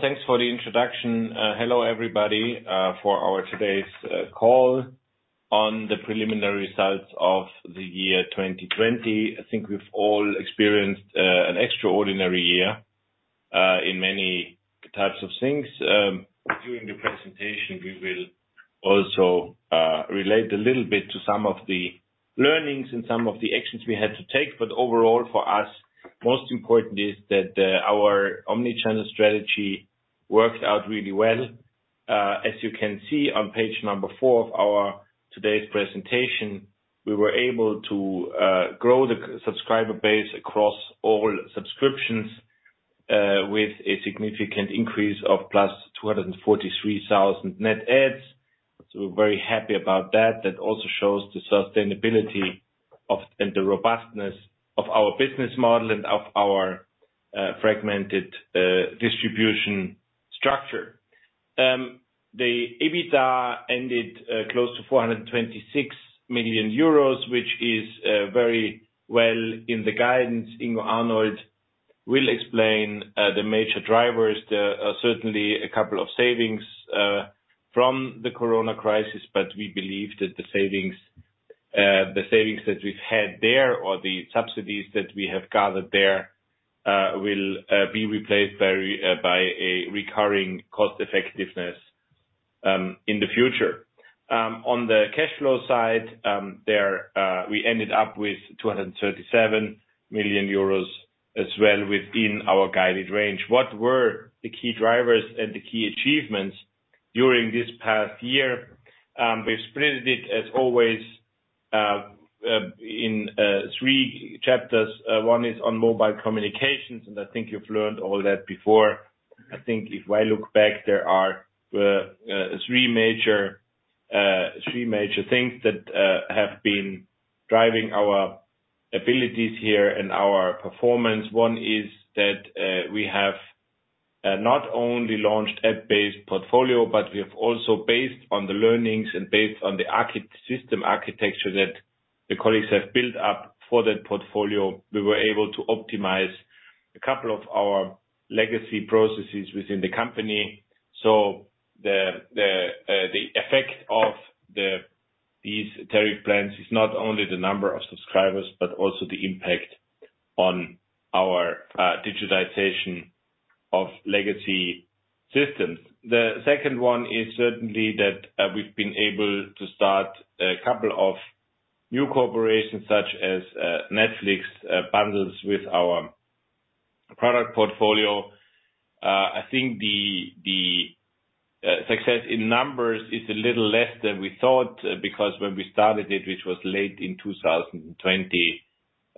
Thanks for the introduction. Hello, everybody, for our today's call on the preliminary results of the year 2020. I think we've all experienced an extraordinary year in many types of things. During the presentation, we will also relate a little bit to some of the learnings and some of the actions we had to take. Overall, for us, most important is that our omni-channel strategy worked out really well. As you can see on page number four of our today's presentation, we were able to grow the subscriber base across all subscriptions with a significant increase of +243,000 net adds. We're very happy about that. That also shows the sustainability and the robustness of our business model and of our fragmented distribution structure. The EBITDA ended close to 426 million euros, which is very well in the guidance. Ingo Arnold will explain the major drivers. There are certainly a couple of savings from the COVID crisis, but we believe that the savings that we've had there or the subsidies that we have gathered there will be replaced by a recurring cost-effectiveness in the future. On the cash flow side, there we ended up with 237 million euros as well within our guided range. What were the key drivers and the key achievements during this past year? We've split it, as always, in three chapters. One is on mobile communications, and I think you've learned all that before. I think if I look back, there are three major things that have been driving our abilities here and our performance. One is that we have not only launched app-based portfolio, but we have also based on the learnings and based on the system architecture that the colleagues have built up for that portfolio, we were able to optimize a couple of our legacy processes within the company. The effect of these tariff plans is not only the number of subscribers, but also the impact on our digitization of legacy systems. The second one is certainly that we've been able to start a couple of new collaborations, such as Netflix bundles with our product portfolio. I think the success in numbers is a little less than we thought, because when we started it, which was late in 2020,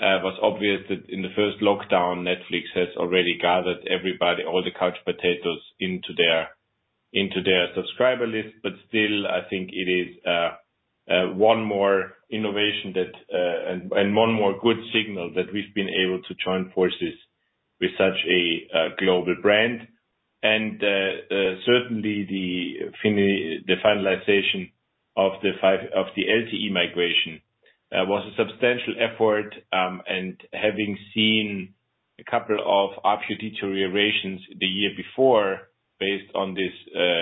was obvious that in the first lockdown, Netflix has already gathered everybody, all the couch potatoes, into their subscriber list. Still, I think it is one more innovation and one more good signal that we've been able to join forces with such a global brand. Certainly, the finalization of the LTE migration was a substantial effort. Having seen a couple of ARPU deteriorations the year before based on this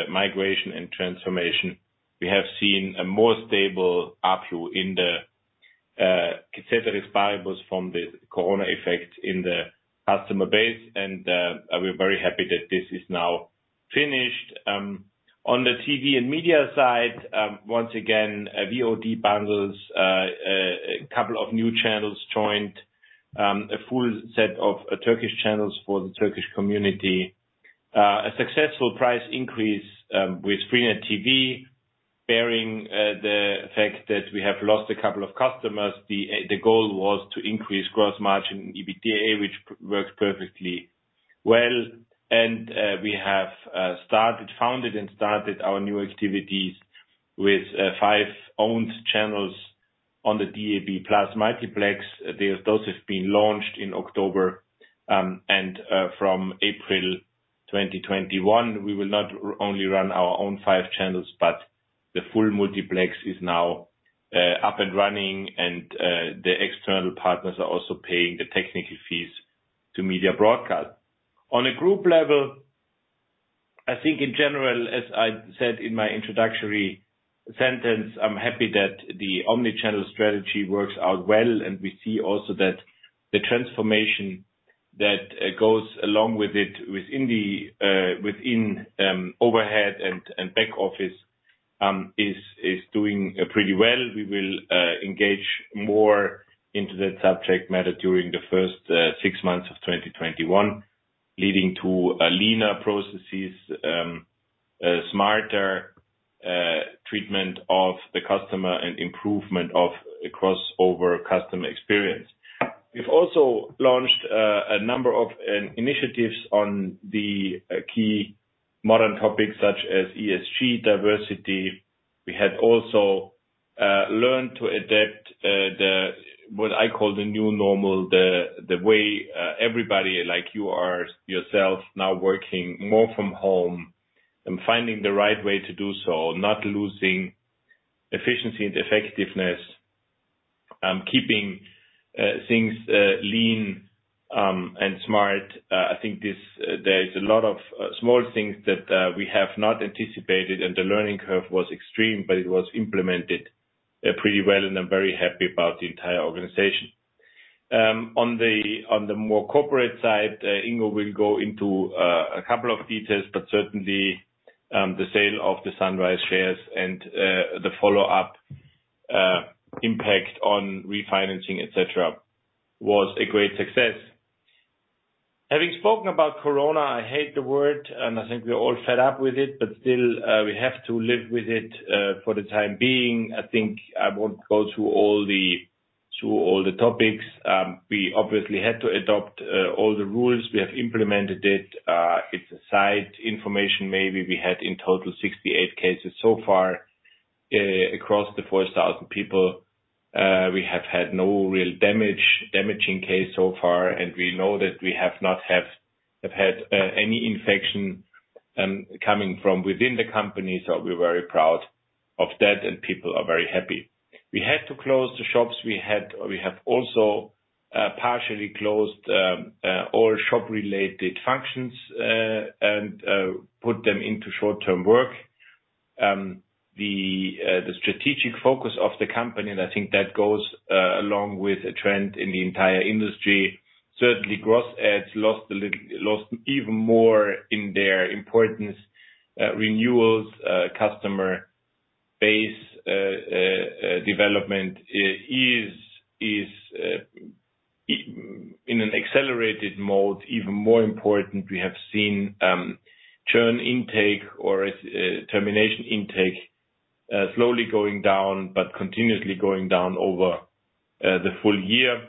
migration and transformation. We have seen a more stable ARPU in the [Non-English language] from the Corona effect in the customer base, and we're very happy that this is now finished. On the TV and media side, once again, VOD bundles, a couple of new channels joined. A full set of Turkish channels for the Turkish community. A successful price increase with freenet TV, bearing the fact that we have lost a couple of customers. The goal was to increase gross margin and EBITDA, which worked perfectly well. We have founded and started our new activities with five owned channels on the DAB+ multiplex. Those have been launched in October, and from April 2021, we will not only run our own five channels, but the full multiplex is now up and running, and the external partners are also paying the technical fees to Media Broadcast. On a group level, I think in general, as I said in my introductory sentence. I'm happy that the omni-channel strategy works out well, and we see also that the transformation that goes along with it within overhead and back office, is doing pretty well. We will engage more into that subject matter during the first six months of 2021, leading to leaner processes, smarter treatment of the customer, and improvement of crossover customer experience. We've also launched a number of initiatives on the key modern topics such as ESG diversity. We had also learned to adapt the, what I call the new normal, the way everybody like you are yourself now working more from home and finding the right way to do so, not losing efficiency and effectiveness. Keeping things lean and smart. I think there is a lot of small things that we have not anticipated, and the learning curve was extreme, but it was implemented pretty well, and I'm very happy about the entire organization. On the more corporate side, Ingo will go into a couple of details, but certainly, the sale of the Sunrise shares and the follow-up impact on refinancing, et cetera, was a great success. Having spoken about Corona, I hate the word, and I think we're all fed up with it, but still, we have to live with it for the time being. I think I won't go through all the topics. We obviously had to adopt all the rules. We have implemented it. It's a side information maybe, we had in total 68 cases so far across the 4,000 people. We have had no real damaging case so far, and we know that we have not had any infection coming from within the company, so we're very proud of that, and people are very happy. We had to close the shops. We have also partially closed all shop-related functions, and put them into short-term work. The strategic focus of the company, and I think that goes along with a trend in the entire industry. Certainly, gross adds lost even more in their importance. Renewals customer base development is in an accelerated mode. Even more important, we have seen churn intake or termination intake slowly going down, but continuously going down over the full year.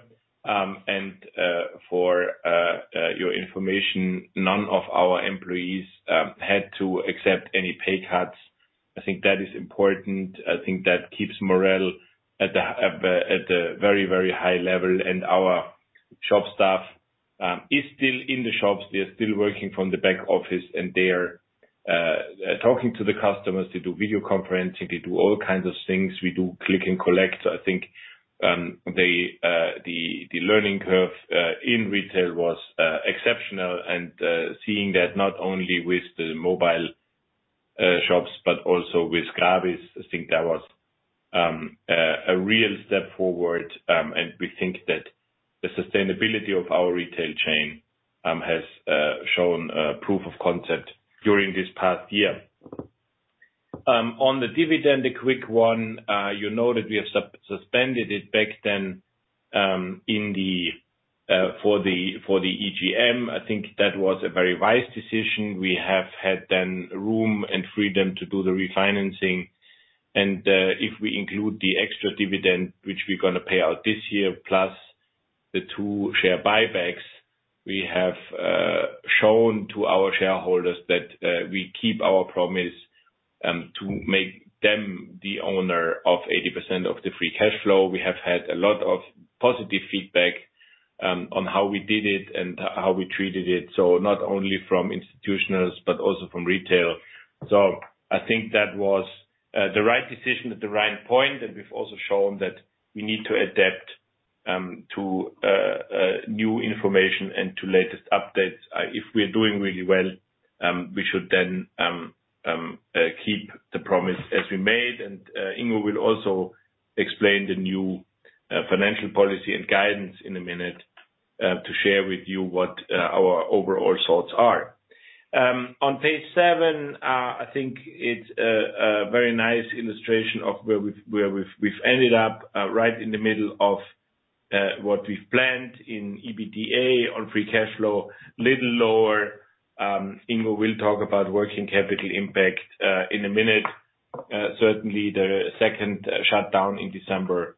For your information, none of our employees had to accept any pay cuts. I think that is important. I think that keeps morale at the very high level. Our shop staff is still in the shops. They're still working from the back office, and they're talking to the customers. They do video conferencing. They do all kinds of things. We do click and collect. I think the learning curve in retail was exceptional, and seeing that not only with the mobile shops but also with Gravis, I think that was a real step forward. We think that the sustainability of our retail chain has shown proof of concept during this past year. On the dividend, a quick one. You know that we have suspended it back then for the EGM. I think that was a very wise decision. We have had then room and freedom to do the refinancing. If we include the extra dividend, which we're going to pay out this year, plus the two share buybacks. We have shown to our shareholders that we keep our promise to make them the owner of 80% of the free cash flow. We have had a lot of positive feedback on how we did it and how we treated it. Not only from institutionals, but also from retail. I think that was the right decision at the right point. We've also shown that we need to adapt to new information and to latest updates. If we're doing really well, we should then keep the promise as we made. Ingo will also explain the new financial policy and guidance in a minute, to share with you what our overall thoughts are. On page seven, I think it's a very nice illustration of where we've ended up, right in the middle of what we've planned in EBITDA or free cash flow, little lower. Ingo will talk about working capital impact in a minute. Certainly, the second shutdown in December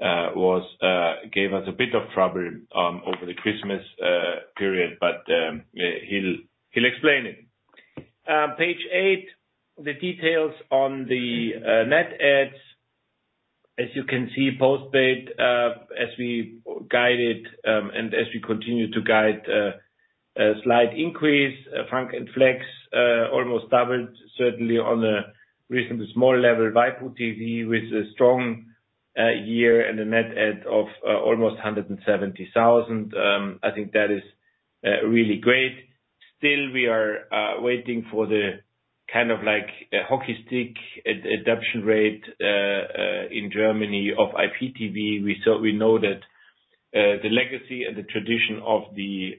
gave us a bit of trouble over the Christmas period. He'll explain it. Page eight, the details on the net adds. As you can see, postpaid as we guided and as we continue to guide, a slight increase. FUNK and FLEX almost doubled, certainly on a reasonably small level. waipu.tv with a strong year and a net add of almost 170,000. I think that is really great. Still, we are waiting for the hockey stick adoption rate in Germany of IPTV. We know that the legacy and the tradition of the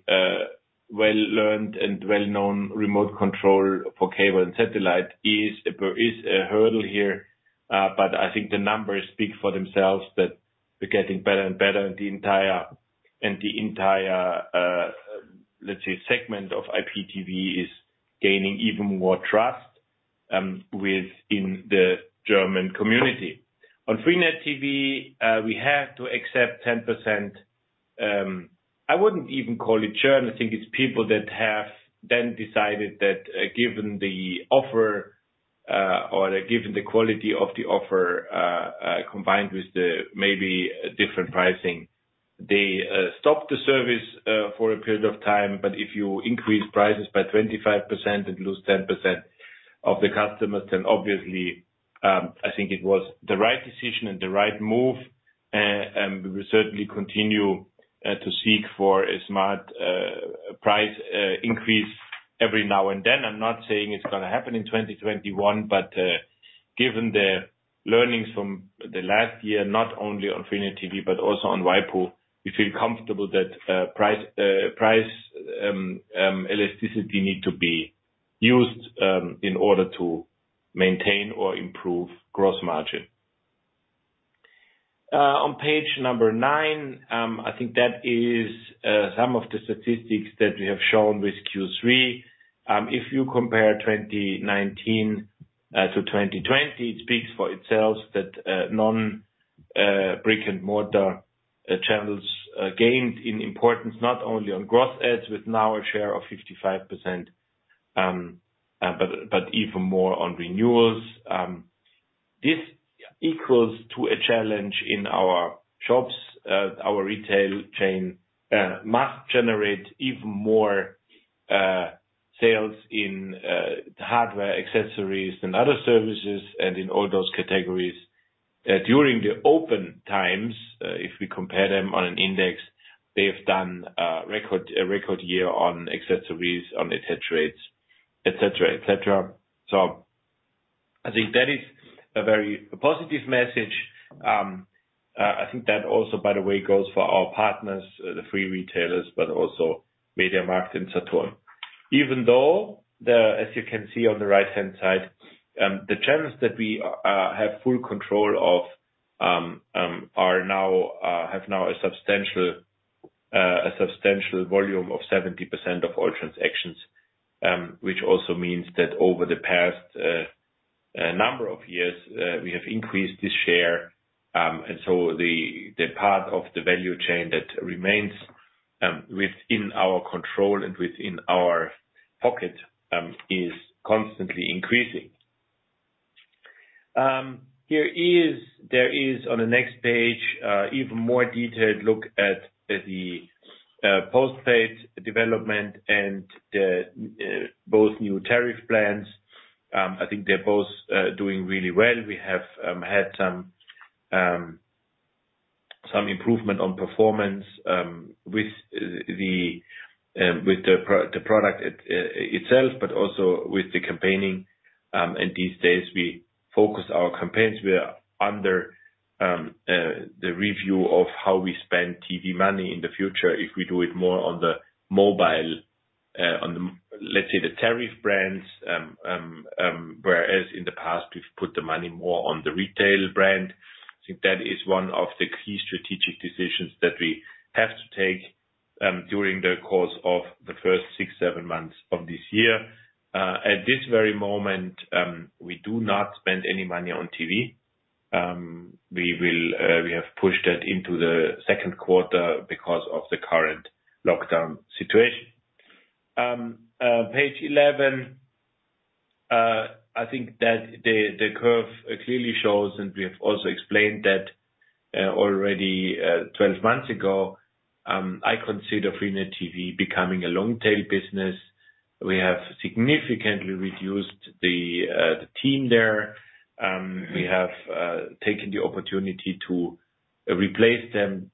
well-learned and well-known remote control for cable and satellite is a hurdle here. I think the numbers speak for themselves that we're getting better and better, and the entire, let's say, segment of IPTV is gaining even more trust within the German community. On freenet TV, we have to accept 10%. I wouldn't even call it churn. I think it's people that have then decided that given the offer or given the quality of the offer, combined with the maybe different pricing, they stopped the service for a period of time. If you increase prices by 25% and lose 10% of the customers, then obviously, I think it was the right decision and the right move, and we will certainly continue to seek for a smart price increase every now and then. I'm not saying it's going to happen in 2021, but given the learnings from the last year, not only on freenet TV, but also on waipu.tv. We feel comfortable that price elasticity need to be used in order to maintain or improve gross margin. On page number nine, I think that is some of the statistics that we have shown with Q3. If you compare 2019-2020, it speaks for itself that non-brick-and-mortar channels gained in importance, not only on gross adds with now a share of 55%, but even more on renewals. This equals to a challenge in our shops. Our retail chain must generate even more sales in hardware, accessories and other services, and in all those categories. During the open times, if we compare them on an index, they have done a record year on accessories, on et cetera. I think that is a very positive message. I think that also, by the way, goes for our partners, the free retailers, but also MediaMarkt and Saturn. Even though, as you can see on the right-hand side, the channels that we have full control of have now a substantial volume of 70% of all transactions, which also means that over the past number of years, we have increased this share. The part of the value chain that remains within our control and within our pocket is constantly increasing. There is, on the next page, even more detailed look at the postpaid development and both new tariff plans. I think they're both doing really well. We have had some improvement on performance with the product itself, but also with the campaigning. These days we focus our campaigns. We are under the review of how we spend TV money in the future. If we do it more on the mobile, on, let's say, the tariff brands, whereas in the past, we've put the money more on the retail brand. I think that is one of the key strategic decisions that we have to take during the course of the first six, seven months of this year. At this very moment, we do not spend any money on TV. We have pushed that into the second quarter because of the current lockdown situation. Page 11, I think that the curve clearly shows, and we have also explained that already 12 months ago, I consider freenet TV becoming a long-tail business. We have significantly reduced the team there. We have taken the opportunity to replace them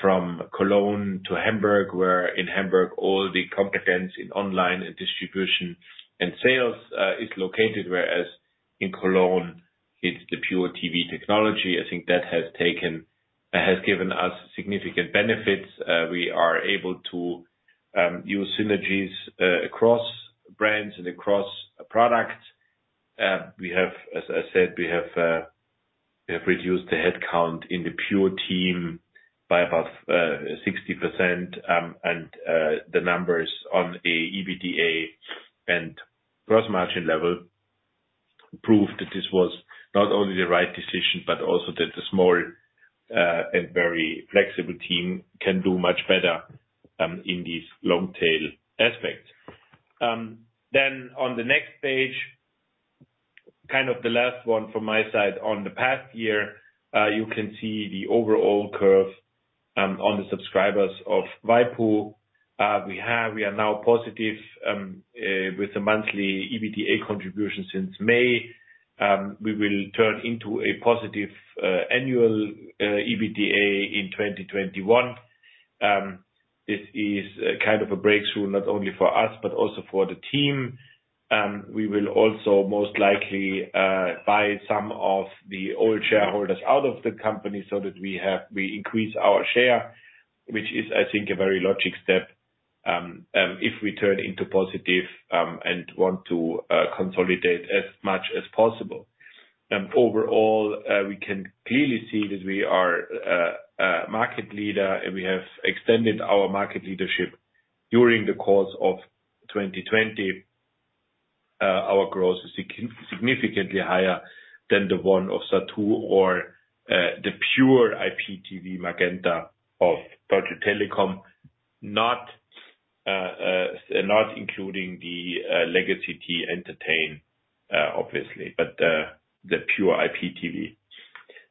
from Cologne to Hamburg, where in Hamburg, all the competence in online and distribution and sales is located, whereas in Cologne, it's the pure TV technology. I think that has given us significant benefits. We are able to use synergies across brands and across products. As I said, we have reduced the headcount in the pure team by about 60%, and the numbers on a EBITDA and gross margin level proved that this was not only the right decision, but also that the small and very flexible team can do much better in these long-tail aspects. On the next page, kind of the last one from my side on the past year, you can see the overall curve on the subscribers of waipu.tv. We are now positive with the monthly EBITDA contribution since May. We will turn into a positive annual EBITDA in 2021. This is kind of a breakthrough not only for us, but also for the team. We will also most likely buy some of the old shareholders out of the company so that we increase our share, which is, I think, a very logical step, if we turn into positive and want to consolidate as much as possible. Overall, we can clearly see that we are a market leader, and we have extended our market leadership during the course of 2020. Our growth is significantly higher than the one of Zattoo or the pure IPTV MagentaTV of Deutsche Telekom. Not including the legacy EntertainTV, obviously, but the pure IPTV.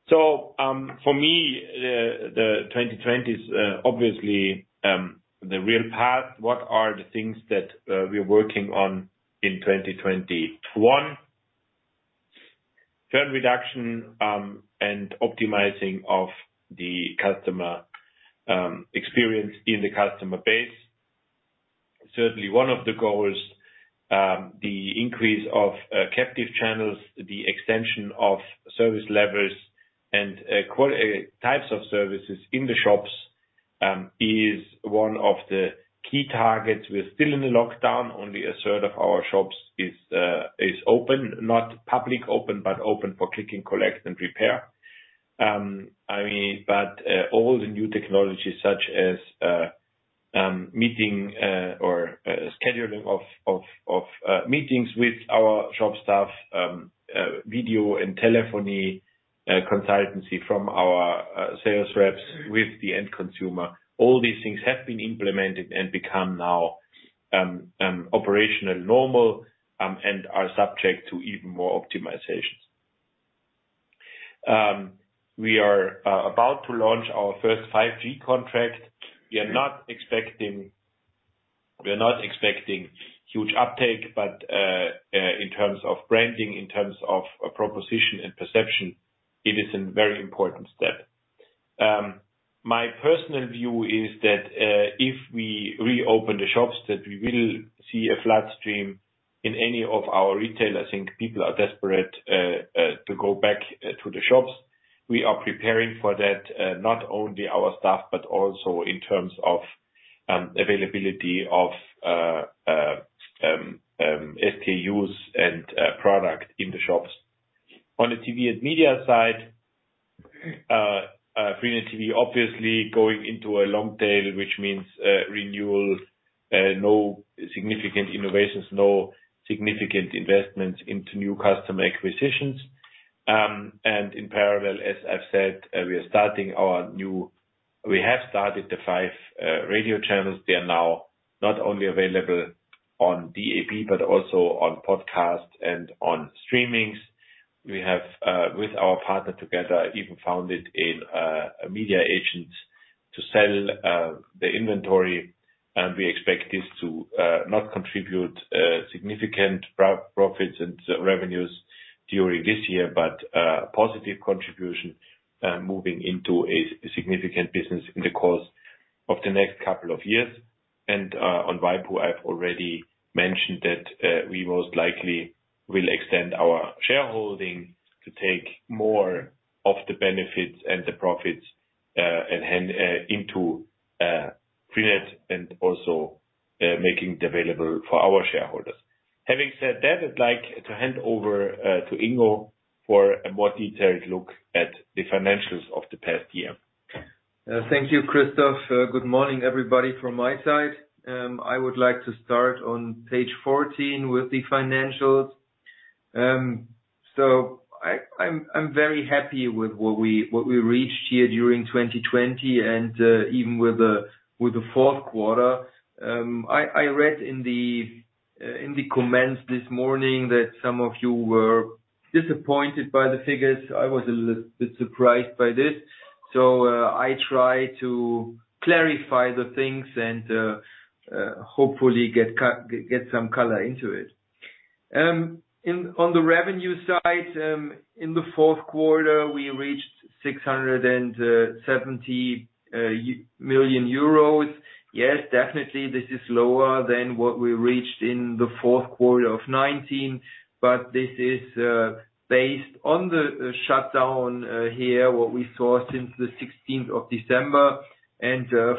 For me, the 2020 is obviously the real path. What are the things that we're working on in 2021? Churn reduction and optimizing of the customer experience in the customer base. Certainly one of the goals, the increase of captive channels, the extension of service levels and types of services in the shops, is one of the key targets. We're still in the lockdown. Only 1/3 of our shops is open, not public open, but open for click and collect and repair. All the new technologies such as meeting or scheduling of meetings with our shop staff, video and telephony consultancy from our sales reps with the end consumer, all these things have been implemented and become now operational normal, and are subject to even more optimizations. We are about to launch our first 5G contract. We're not expecting huge uptake, in terms of branding, in terms of proposition and perception, it is a very important step. My personal view is that if we reopen the shops, that we will see a flat stream in any of our retail. I think people are desperate to go back to the shops. We are preparing for that, not only our staff, but also in terms of availability of SKUs and product in the shops. On the TV and media side, freenet TV obviously going into a long tail, which means renewals, no significant innovations, no significant investments into new customer acquisitions. In parallel, as I've said, we have started the five radio channels. They are now not only available on DAB+, but also on podcast and on streamings. We have, with our partner together, even founded a media agent to sell the inventory. We expect this to not contribute significant profits and revenues during this year, but a positive contribution moving into a significant business in the course of the next couple of years. On waipu.tv, I've already mentioned that we most likely will extend our shareholding to take more of the benefits and the profits into freenet and also making it available for our shareholders. Having said that, I'd like to hand over to Ingo for a more detailed look at the financials of the past year. Thank you, Christoph. Good morning, everybody, from my side. I would like to start on page 14 with the financials. I'm very happy with what we reached here during 2020, and even with the fourth quarter. I read in the comments this morning that some of you were disappointed by the figures. I was a little bit surprised by this. I try to clarify the things and hopefully get some color into it. On the revenue side, in the fourth quarter, we reached 670 million euros. Yes, definitely this is lower than what we reached in the fourth quarter of 2019, but this is based on the shutdown here, what we saw since the 16th of December.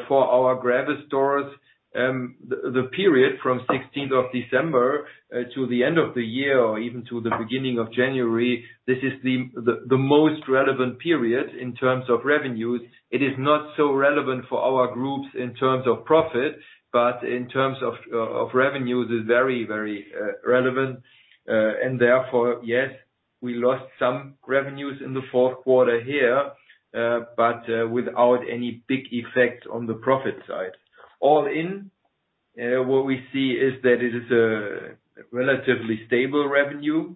For our Gravis stores, the period from 16th of December to the end of the year or even to the beginning of January, this is the most relevant period in terms of revenues. It is not so relevant for our groups in terms of profit, but in terms of revenue, it's very relevant. Therefore, yes, we lost some revenues in the fourth quarter here, but without any big effect on the profit side. All in, what we see is that it is a relatively stable revenue.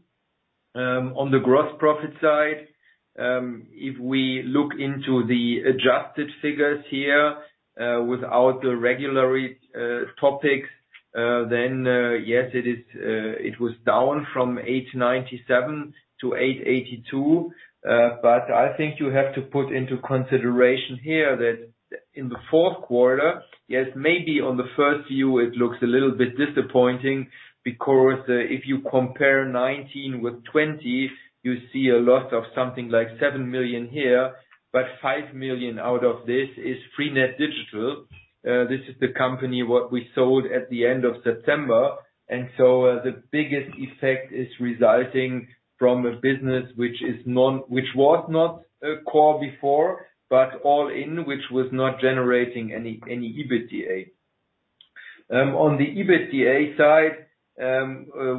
On the gross profit side, if we look into the adjusted figures here without the regular topics, yes, it was down from 897 million-882 million. I think you have to put into consideration here that in the fourth quarter, yes, maybe on the first view it looks a little bit disappointing, because if you compare 2019 with 2020, you see a loss of something like 7 million here. 5 million out of this is freenet Digital. This is the company what we sold at the end of September. The biggest effect is resulting from a business which was not core before, but all in which was not generating any EBITDA. On the EBITDA side,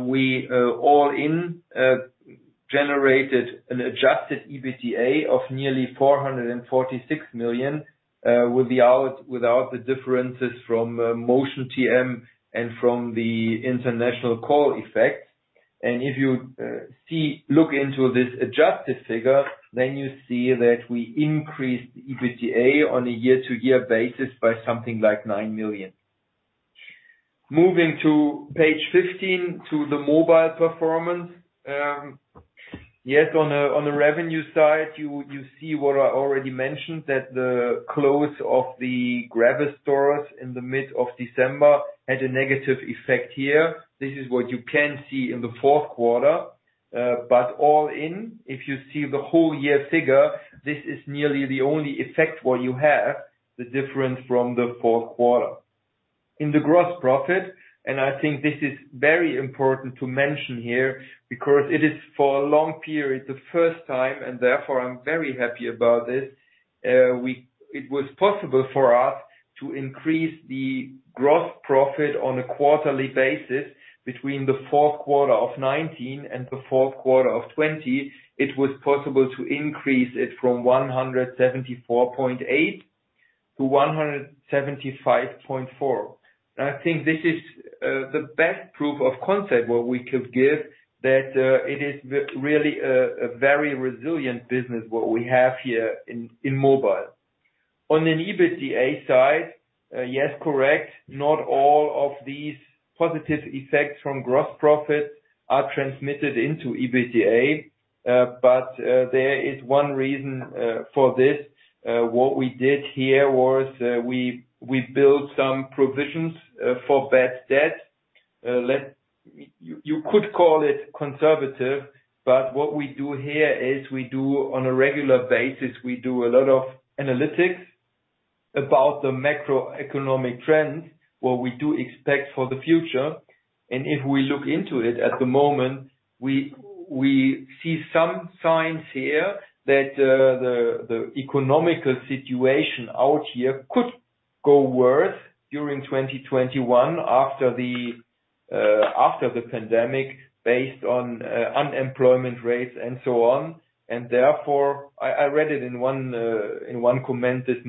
we all in-generated an adjusted EBITDA of nearly 446 million, without the differences from Motion TM and from the international call effect. If you look into this adjusted figure, then you see that we increased EBITDA on a year-to-year basis by something like 9 million. Moving to page 15, to the mobile performance. Yes, on the revenue side, you see what I already mentioned, that the close of the Gravis stores in the mid of December had a negative effect here. This is what you can see in the fourth quarter. All in, if you see the whole year figure, this is nearly the only effect what you have, the difference from the fourth quarter. In the gross profit, I think this is very important to mention here because it is for a long period the first time, and therefore, I'm very happy about this. It was possible for us to increase the gross profit on a quarterly basis between the fourth quarter of 2019 and the fourth quarter of 2020. It was possible to increase it from 174.8 million-175.4 million. I think this is the best proof of concept what we could give, that it is really a very resilient business what we have here in mobile. On an EBITDA side, yes, correct, not all of these positive effects from gross profit are transmitted into EBITDA. There is one reason for this. What we did here was, we built some provisions for bad debt. You could call it conservative, but what we do here is we do, on a regular basis, we do a lot of analytics about the macroeconomic trends, what we do expect for the future. If we look into it at the moment, we see some signs here that the economical situation out here could go worse during 2021 after the pandemic based on unemployment rates and so on. Therefore, I read it in one comment this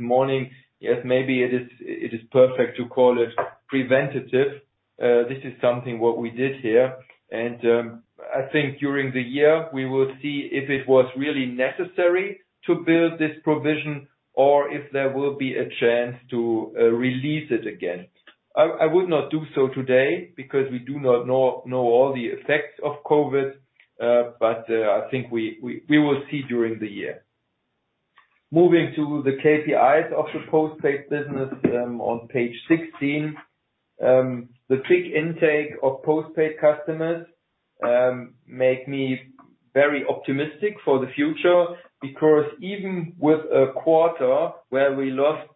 morning. Yes, maybe it is perfect to call it preventative. This is something what we did here. I think during the year, we will see if it was really necessary to build this provision or if there will be a chance to release it again. I would not do so today because we do not know all the effects of COVID-19, but I think we will see during the year. Moving to the KPIs of the postpaid business on page 16. The quick intake of postpaid customers make me very optimistic for the future, because even with a quarter where we lost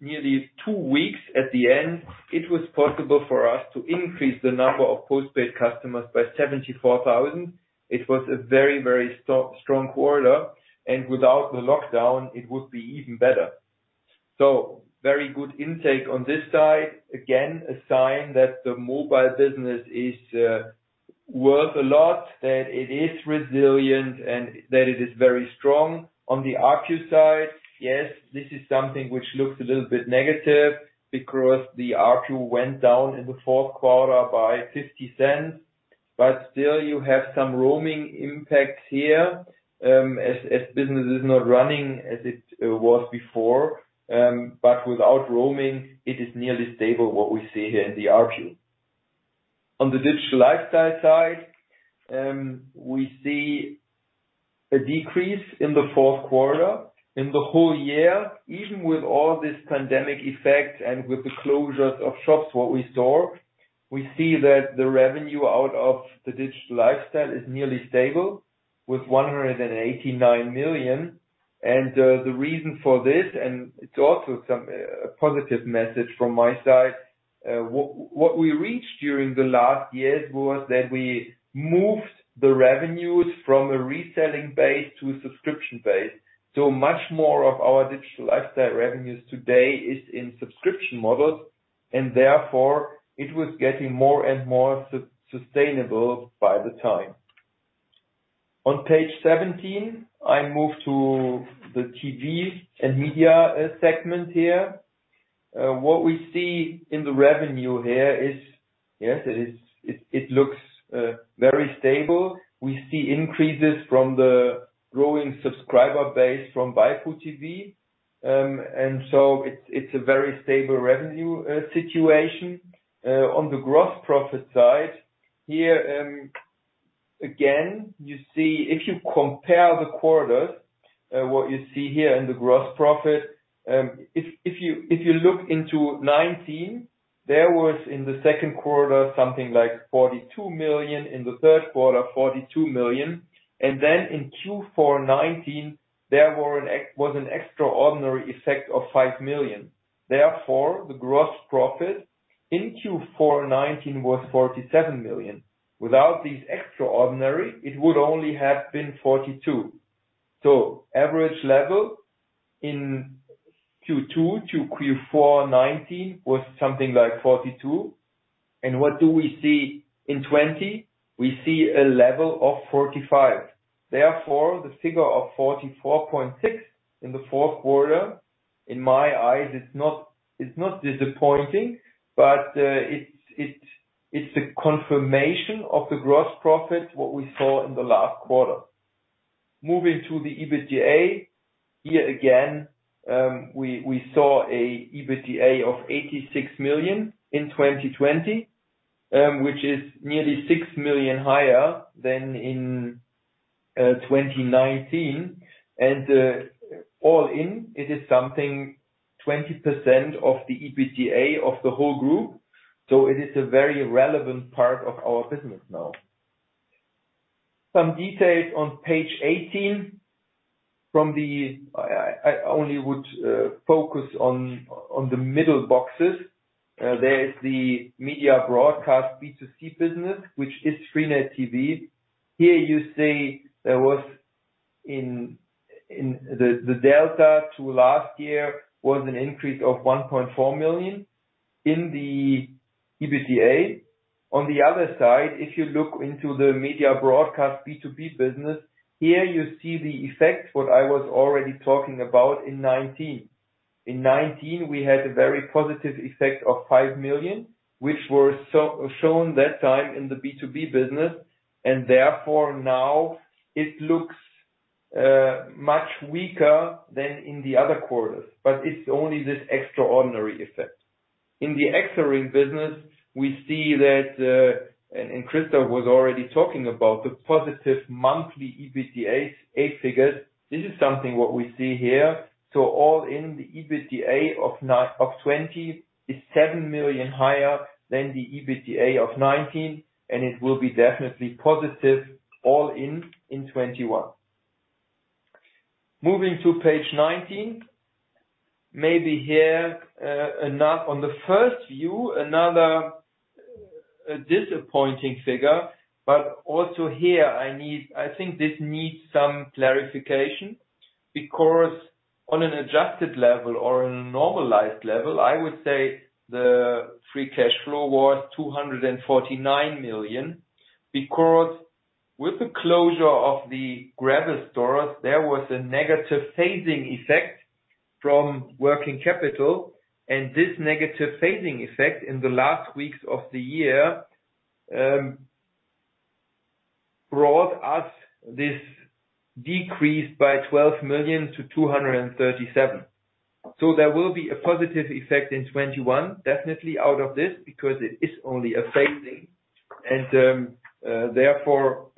nearly two weeks at the end, it was possible for us to increase the number of postpaid customers by 74,000. It was a very strong quarter, without the lockdown, it would be even better. Very good intake on this side. A sign that the mobile business is worth a lot, that it is resilient, and that it is very strong. On the ARPU side, yes, this is something which looks a little bit negative because the ARPU went down in the fourth quarter by 0.50. Still you have some roaming impacts here, as business is not running as it was before. Without roaming, it is nearly stable what we see here in the ARPU. On the Digital Lifestyle side, we see a decrease in the fourth quarter. In the whole year, even with all this pandemic effects and with the closures of shops what we saw, we see that the revenue out of the Digital Lifestyle is nearly stable with 189 million. The reason for this, and it's also a positive message from my side, what we reached during the last years was that we moved the revenues from a reselling base to a subscription base. Much more of our Digital Lifestyle revenues today is in subscription models, and therefore, it was getting more and more sustainable by the time. On page 17, I move to the TV and Media segment here. What we see in the revenue here is, yes, it looks very stable. We see increases from the growing subscriber base from waipu.tv. It's a very stable revenue situation. On the gross profit side, here again, you see if you compare the quarters, what you see here in the gross profit. If you look into 2019, there was in the second quarter something like 42 million, in the third quarter, 42 million. In Q4 2019, there was an extraordinary effect of 5 million. The gross profit in Q4 2019 was 47 million. Without these extraordinary, it would only have been 42 million. Average level in Q2-Q4 2019 was something like 42 million. What do we see in 2020? We see a level of 45 million. The figure of 44.6 miilion in the fourth quarter, in my eyes, it's not disappointing, but it's a confirmation of the gross profit, what we saw in the last quarter. Moving to the EBITDA, here again, we saw a EBITDA of 86 million in 2020, which is nearly 6 million higher than in 2019. All in, it is something 20% of the EBITDA of the whole group. It is a very relevant part of our business now. Some details on page 18. I only would focus on the middle boxes. There is the Media Broadcast B2C business, which is freenet TV. Here you see there was in the delta to last year was an increase of 1.4 million in the EBITDA. On the other side, if you look into the Media Broadcast B2B business, here you see the effect, what I was already talking about in 2019. In 2019, we had a very positive effect of 5 million, which were shown that time in the B2B business, and therefore now it looks much weaker than in the other quarters. But it's only this extraordinary effect. In the Exaring business, we see that, and Christoph was already talking about the positive monthly EBITDA figures. All in the EBITDA of 2020 is 7 million higher than the EBITDA of 2019, and it will be definitely positive all in in 2021. Moving to page 19, maybe here, on the first view, another disappointing figure. Also here, I think this needs some clarification because on an adjusted level or on a normalized level, I would say the free cash flow was 249 million. With the closure of the Gravis stores, there was a negative phasing effect from working capital. This negative phasing effect in the last weeks of the year, brought us this decrease by 12 million-237 million. There will be a positive effect in 2021, definitely out of this, because it is only a phasing. Therefore,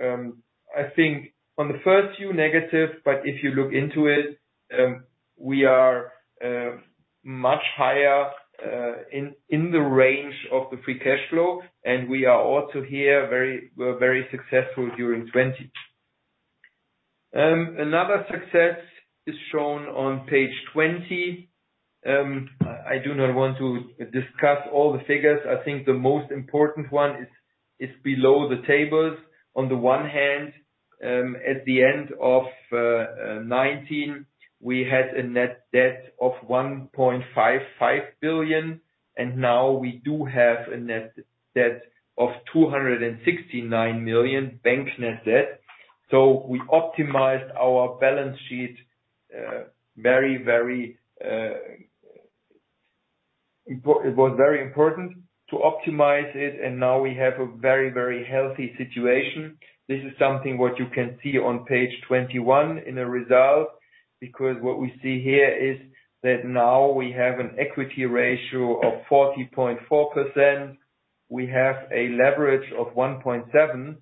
I think on the first view negative. If you look into it, we are much higher in the range of the free cash flow, and we are also here very successful during 2020. Another success is shown on page 20. I do not want to discuss all the figures. I think the most important one is below the tables. On the one hand, at the end of 2019, we had a net debt of 1.55 billion, now we do have a net debt of 269 million, bank net debt. We optimized our balance sheet. It was very important to optimize it, now we have a very healthy situation. This is something what you can see on page 21 in a result, because what we see here is that now we have an equity ratio of 40.4%. We have a leverage of 1.7x.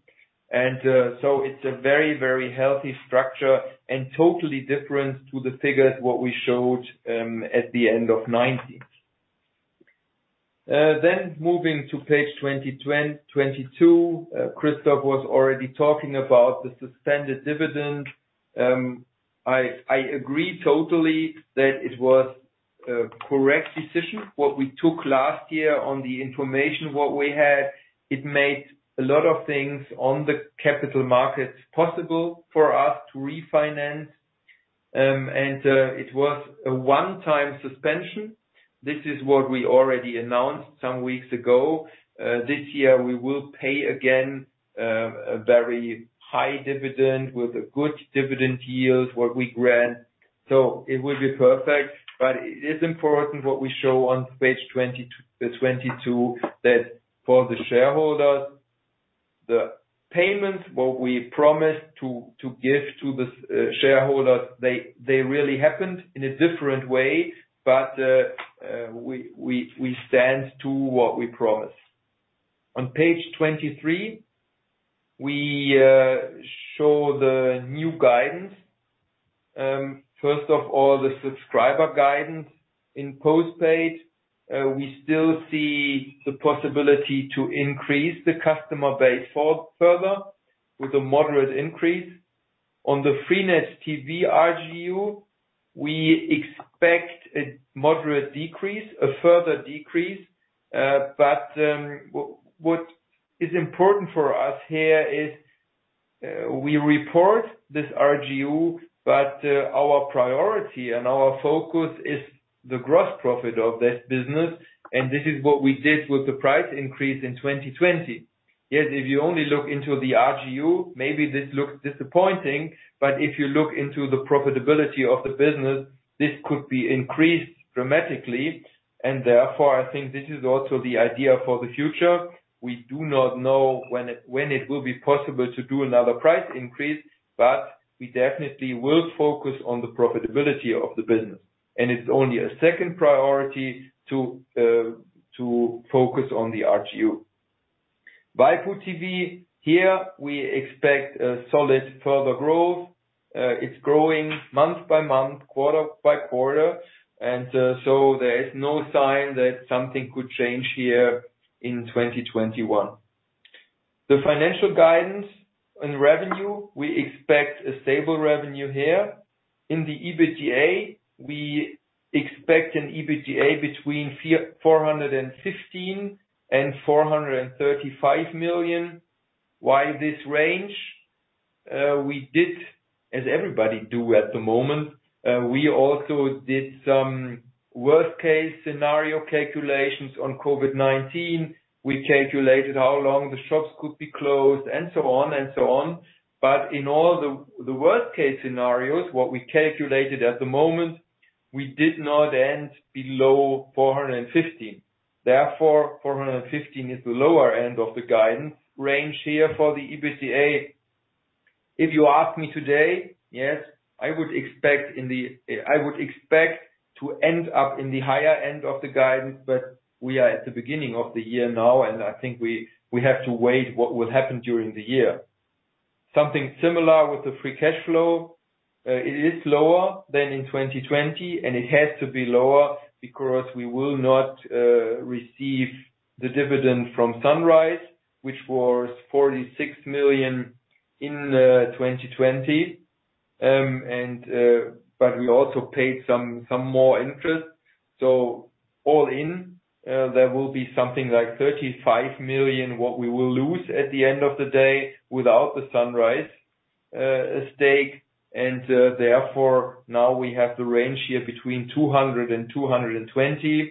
It's a very healthy structure and totally different to the figures, what we showed at the end of 2019. Moving to page 22. Christoph was already talking about the suspended dividend. I agree totally that it was a correct decision, what we took last year on the information, what we had. It made a lot of things on the capital markets possible for us to refinance, and it was a one-time suspension. This is what we already announced some weeks ago. This year, we will pay again a very high dividend with a good dividend yield, what we grant. It will be perfect, but it is important what we show on page 22, that for the shareholders, the payments, what we promised to give to the shareholders, they really happened in a different way, but we stand to what we promised. On page 23, we show the new guidance. First of all, the subscriber guidance in postpaid. We still see the possibility to increase the customer base further with a moderate increase. On the freenet TV RGU. We expect a moderate decrease, a further decrease. What is important for us here is we report this RGU, but our priority and our focus is the gross profit of this business, and this is what we did with the price increase in 2020. Yes, if you only look into the RGU, maybe this looks disappointing, but if you look into the profitability of the business, this could be increased dramatically, and therefore I think this is also the idea for the future. We do not know when it will be possible to do another price increase, but we definitely will focus on the profitability of the business. It's only a second priority to focus on the RGU. waipu.tv, here we expect a solid further growth. It's growing month by month, quarter by quarter. There is no sign that something could change here in 2021. The financial guidance in revenue, we expect a stable revenue here. In the EBITDA, we expect an EBITDA between 415 million and 435 million. Why this range? We did, as everybody do at the moment, we also did some worst case scenario calculations on COVID-19. We calculated how long the shops could be closed and so on. In all the worst case scenarios, what we calculated at the moment, we did not end below 450 million. Therefore, 450 million is the lower end of the guidance range here for the EBITDA. If you ask me today, yes, I would expect to end up in the higher end of the guidance, but we are at the beginning of the year now, and I think we have to wait what would happen during the year. Something similar with the free cash flow. It is lower than in 2020, and it has to be lower because we will not receive the dividend from Sunrise, which was 46 million in 2020. We also paid some more interest. All in, there will be something like 35 million what we will lose at the end of the day without the Sunrise stake, and therefore now we have the range here between 200 million-220 million.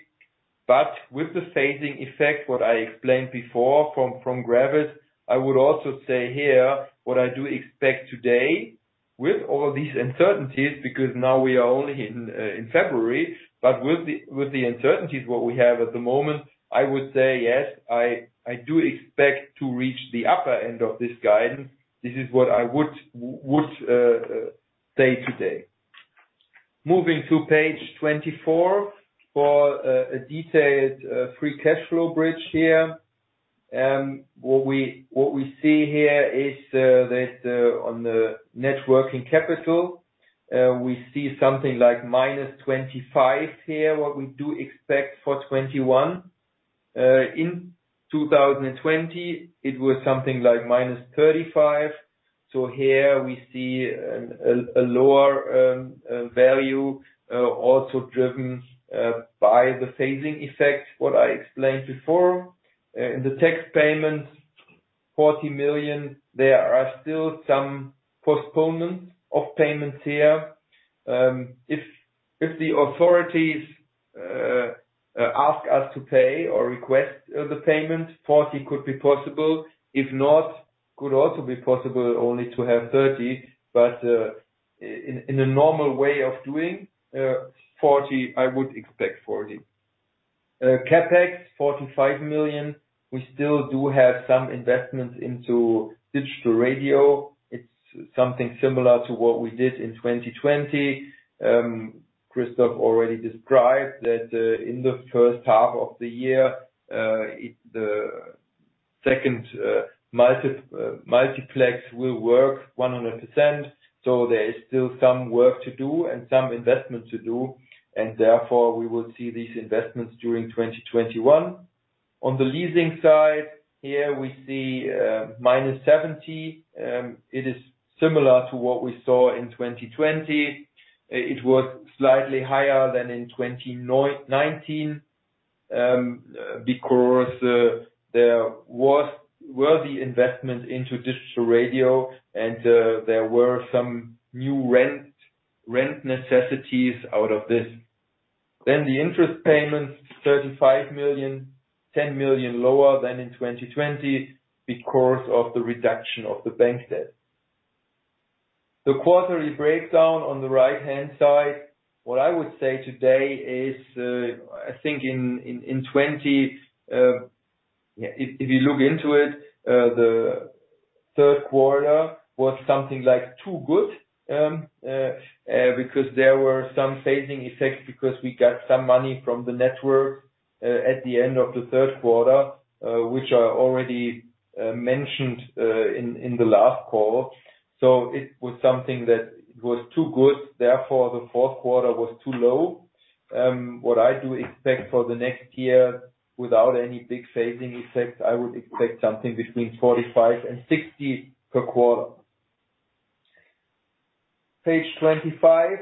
With the phasing effect, what I explained before from Gravis, I would also say here what I do expect today with all these uncertainties, because now we are only in February, but with the uncertainties what we have at the moment, I would say yes, I do expect to reach the upper end of this guidance. This is what I would say today. Moving to page 24 for a detailed free cash flow bridge. What we see here is that on the net working capital, we see something like -25 million here, what we do expect for 2021. In 2020, it was something like -35 million. Here we see a lower value also driven by the phasing effect, what I explained before. In the tax payments, 40 million. There are still some postponement of payments here. If the authorities ask us to pay or request the payment, 40 million could be possible. If not, could also be possible only to have 30 million, but in a normal way of doing, I would expect 40 million. CapEx, 45 million. We still do have some investments into digital radio. It's something similar to what we did in 2020. Christoph already described that in the first half of the year, the second multiplex will work 100%. There is still some work to do and some investment to do, and therefore, we will see these investments during 2021. On the leasing side, here we see -70 million. It is similar to what we saw in 2020. It was slightly higher than in 2019, because there were the investments into digital radio, and there were some new rent necessities out of this. The interest payments, 35 million, 10 million lower than in 2020 because of the reduction of the bank debt. The quarterly breakdown on the right-hand side, what I would say today is, I think in 2020, if you look into it, the third quarter was something like too good, because there were some phasing effects because we got some money from the network at the end of the third quarter, which I already mentioned in the last call. It was something that was too good, therefore the fourth quarter was too low. What I do expect for the next year, without any big phasing effect, I would expect something between 45 million and 60 million per quarter. Page 25.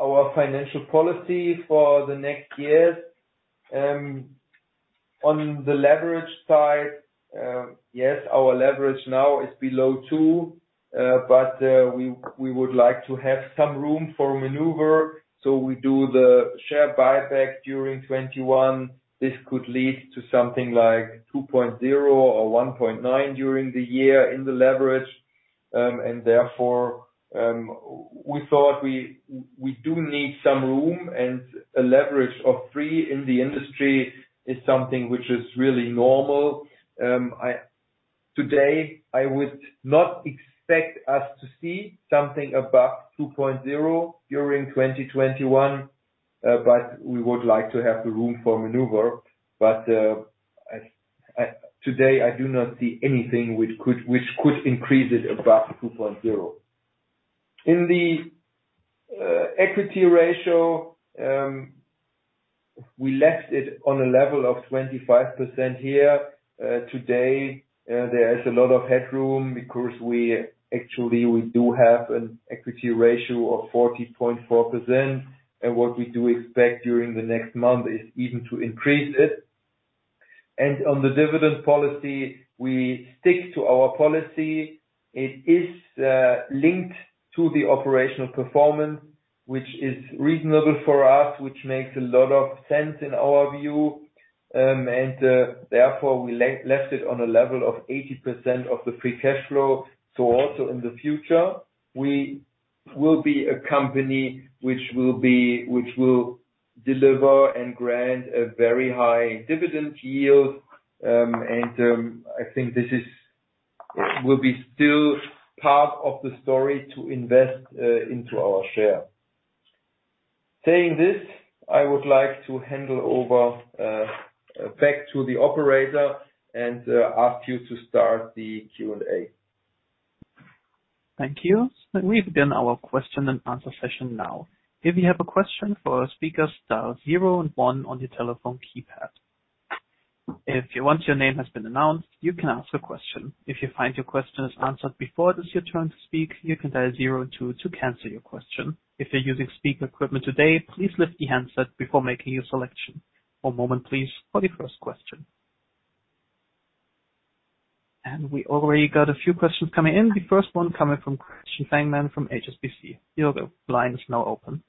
Our financial policy for the next years. On the leverage side, yes, our leverage now is below two, but we would like to have some room for maneuver, so we do the share buyback during 2021. This could lead to something like 2.0x or 1.9x during the year in the leverage. Therefore, we thought we do need some room and a leverage of three in the industry is something which is really normal. Today, I would not expect us to see something above 2.0x during 2021, but we would like to have the room for maneuver. Today I do not see anything which could increase it above 2.0x. In the equity ratio, we left it on a level of 25% here. Today, there is a lot of headroom because actually we do have an equity ratio of 40.4%. What we do expect during the next month is even to increase it. On the dividend policy, we stick to our policy. It is linked to the operational performance, which is reasonable for us, which makes a lot of sense in our view. Therefore, we left it on a level of 80% of the free cash flow. Also in the future, we will be a company which will deliver and grant a very high dividend yield. I think this will be still part of the story to invest into our share. Saying this, I would like to hand over back to the Operator and ask you to start the Q&A. Thank you. We begin our question and answer session now. We already got a few questions coming in. The first one coming from Christian Fangmann from HSBC. Your line is now open.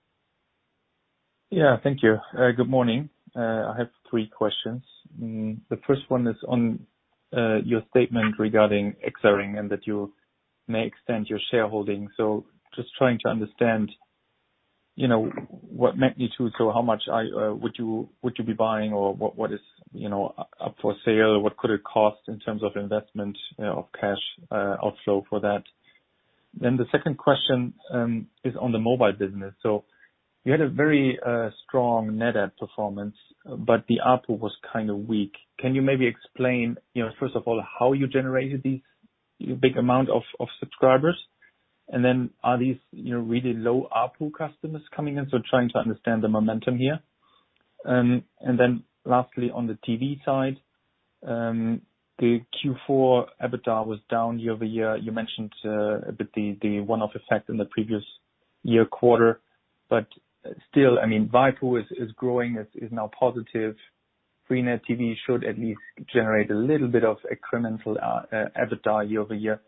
Yeah, thank you. Good morning. I have three questions. The first one is on your statement regarding Exaring and that you may extend your shareholding. Just trying to understand what magnitude, how much would you be buying, or what is up for sale? What could it cost in terms of investment of cash outflow for that? The second question is on the mobile business. You had a very strong net add performance, but the ARPU was kind of weak. Can you maybe explain, first of all, how you generated this big amount of subscribers, and then are these really low ARPU customers coming in? Trying to understand the momentum here. Lastly, on the TV side, the Q4 EBITDA was down year-over-year. You mentioned a bit the one-off effect in the previous year quarter, waipu.tv is growing, is now positive. freenet TV should at least generate a little bit of incremental EBITDA year-over-year.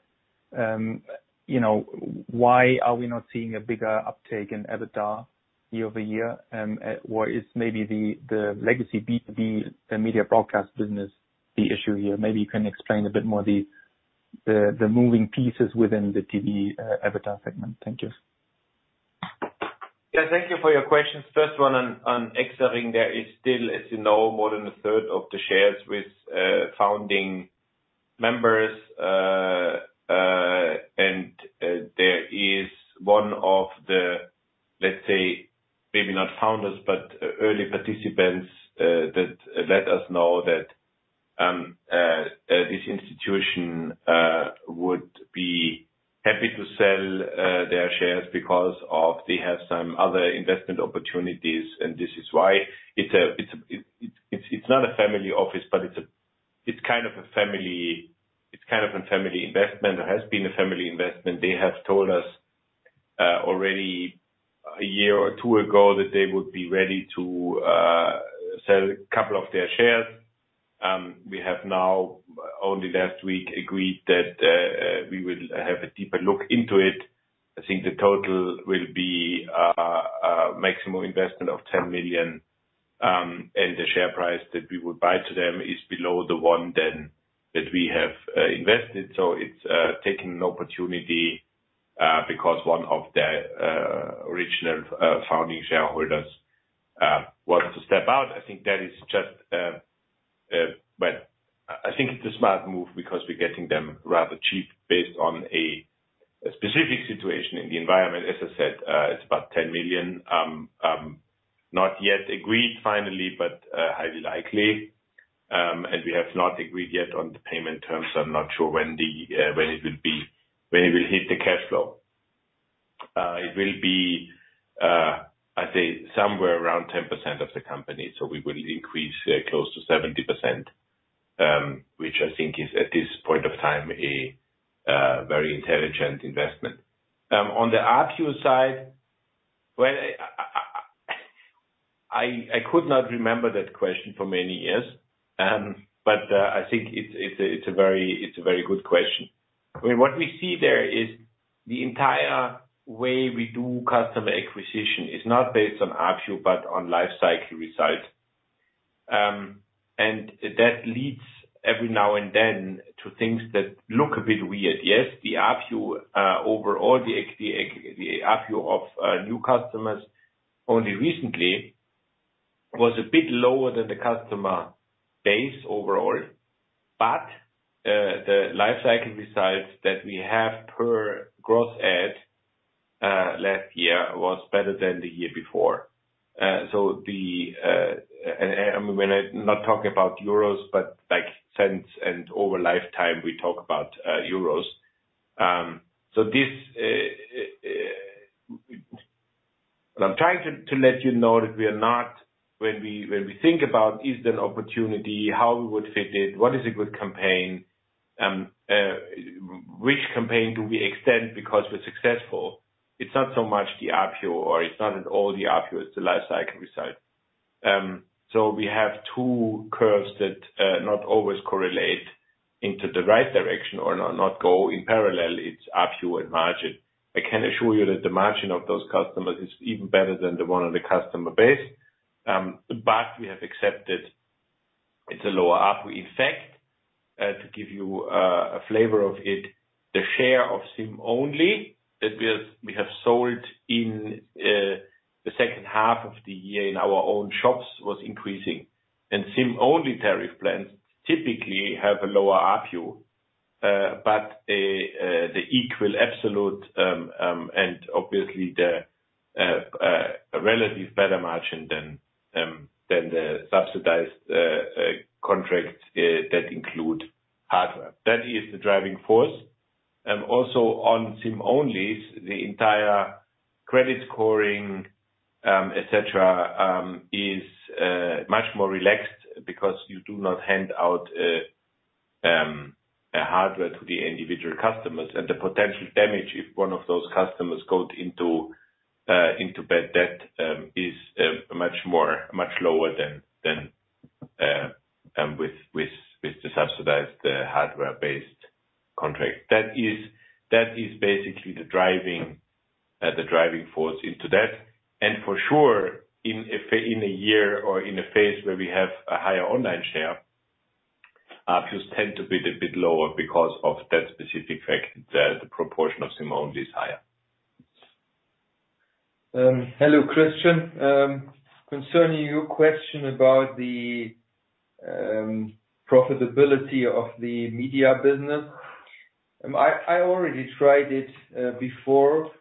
Why are we not seeing a bigger uptake in EBITDA year-over-year? Is maybe the legacy B2B, the Media Broadcast business, the issue here? Maybe you can explain a bit more the moving pieces within the TV EBITDA segment. Thank you. Yeah, thank you for your questions. First one on Exaring. There is still, as you know, more than a third of the shares with founding members. There is one of the, let's say, maybe not founders, but early participants that let us know that this institution would be happy to sell their shares because they have some other investment opportunities. It's not a family office, but it's kind of a family investment, or has been a family investment. They have told us already a year or two ago that they would be ready to sell a couple of their shares. We have now, only last week, agreed that we will have a deeper look into it. I think the total will be a maximum investment of 10 million, and the share price that we would buy to them is below the one then that we have invested. It's taking an opportunity because one of the original founding shareholders wants to step out. I think it's a smart move because we're getting them rather cheap based on a specific situation in the environment. I said, it's about 10 million. Not yet agreed finally, but highly likely. We have not agreed yet on the payment terms. I'm not sure when it will hit the cash flow. It will be, I say, somewhere around 10% of the company. We will increase close to 70%, which I think is, at this point of time, a very intelligent investment. On the ARPU side, well, I could not remember that question for many years. I think it's a very good question. What we see there is the entire way we do customer acquisition is not based on ARPU, but on customer lifetime value. That leads every now and then to things that look a bit weird. Yes, the ARPU overall, the ARPU of new customers only recently was a bit lower than the customer base overall. The customer lifetime value that we have per gross add last year was better than the year before. I'm not talking about euros, but like cents and over lifetime, we talk about euros. What I'm trying to let you know that we are not, when we think about is there an opportunity, how we would fit it, what is a good campaign, which campaign do we extend because we're successful? It's not so much the ARPU or it's not at all the ARPU, it's the customer lifetime value. We have two curves that not always correlate into the right direction or not go in parallel, it's ARPU and margin. I can assure you that the margin of those customers is even better than the one on the customer base. We have accepted it's a lower ARPU effect. To give you a flavor of it, the share of SIM-only that we have sold in the second half of the year in our own shops was increasing. SIM-only tariff plans typically have a lower ARPU, but the equal absolute, and obviously the relative better margin than the subsidized contracts that include hardware. That is the driving force. Also on SIM-onlys, the entire credit scoring, et cetera, is much more relaxed because you do not hand out a hardware to the individual customers. The potential damage if one of those customers goes into bad debt is much lower than with the subsidized hardware-based contract. That is basically the driving force into that. For sure, in a year or in a phase where we have a higher online share, ARPUs tend to be a bit lower because of that specific fact that the proportion of SIM-only is higher. Hello, Christian. Concerning your question about the profitability of the media business, I already tried it before.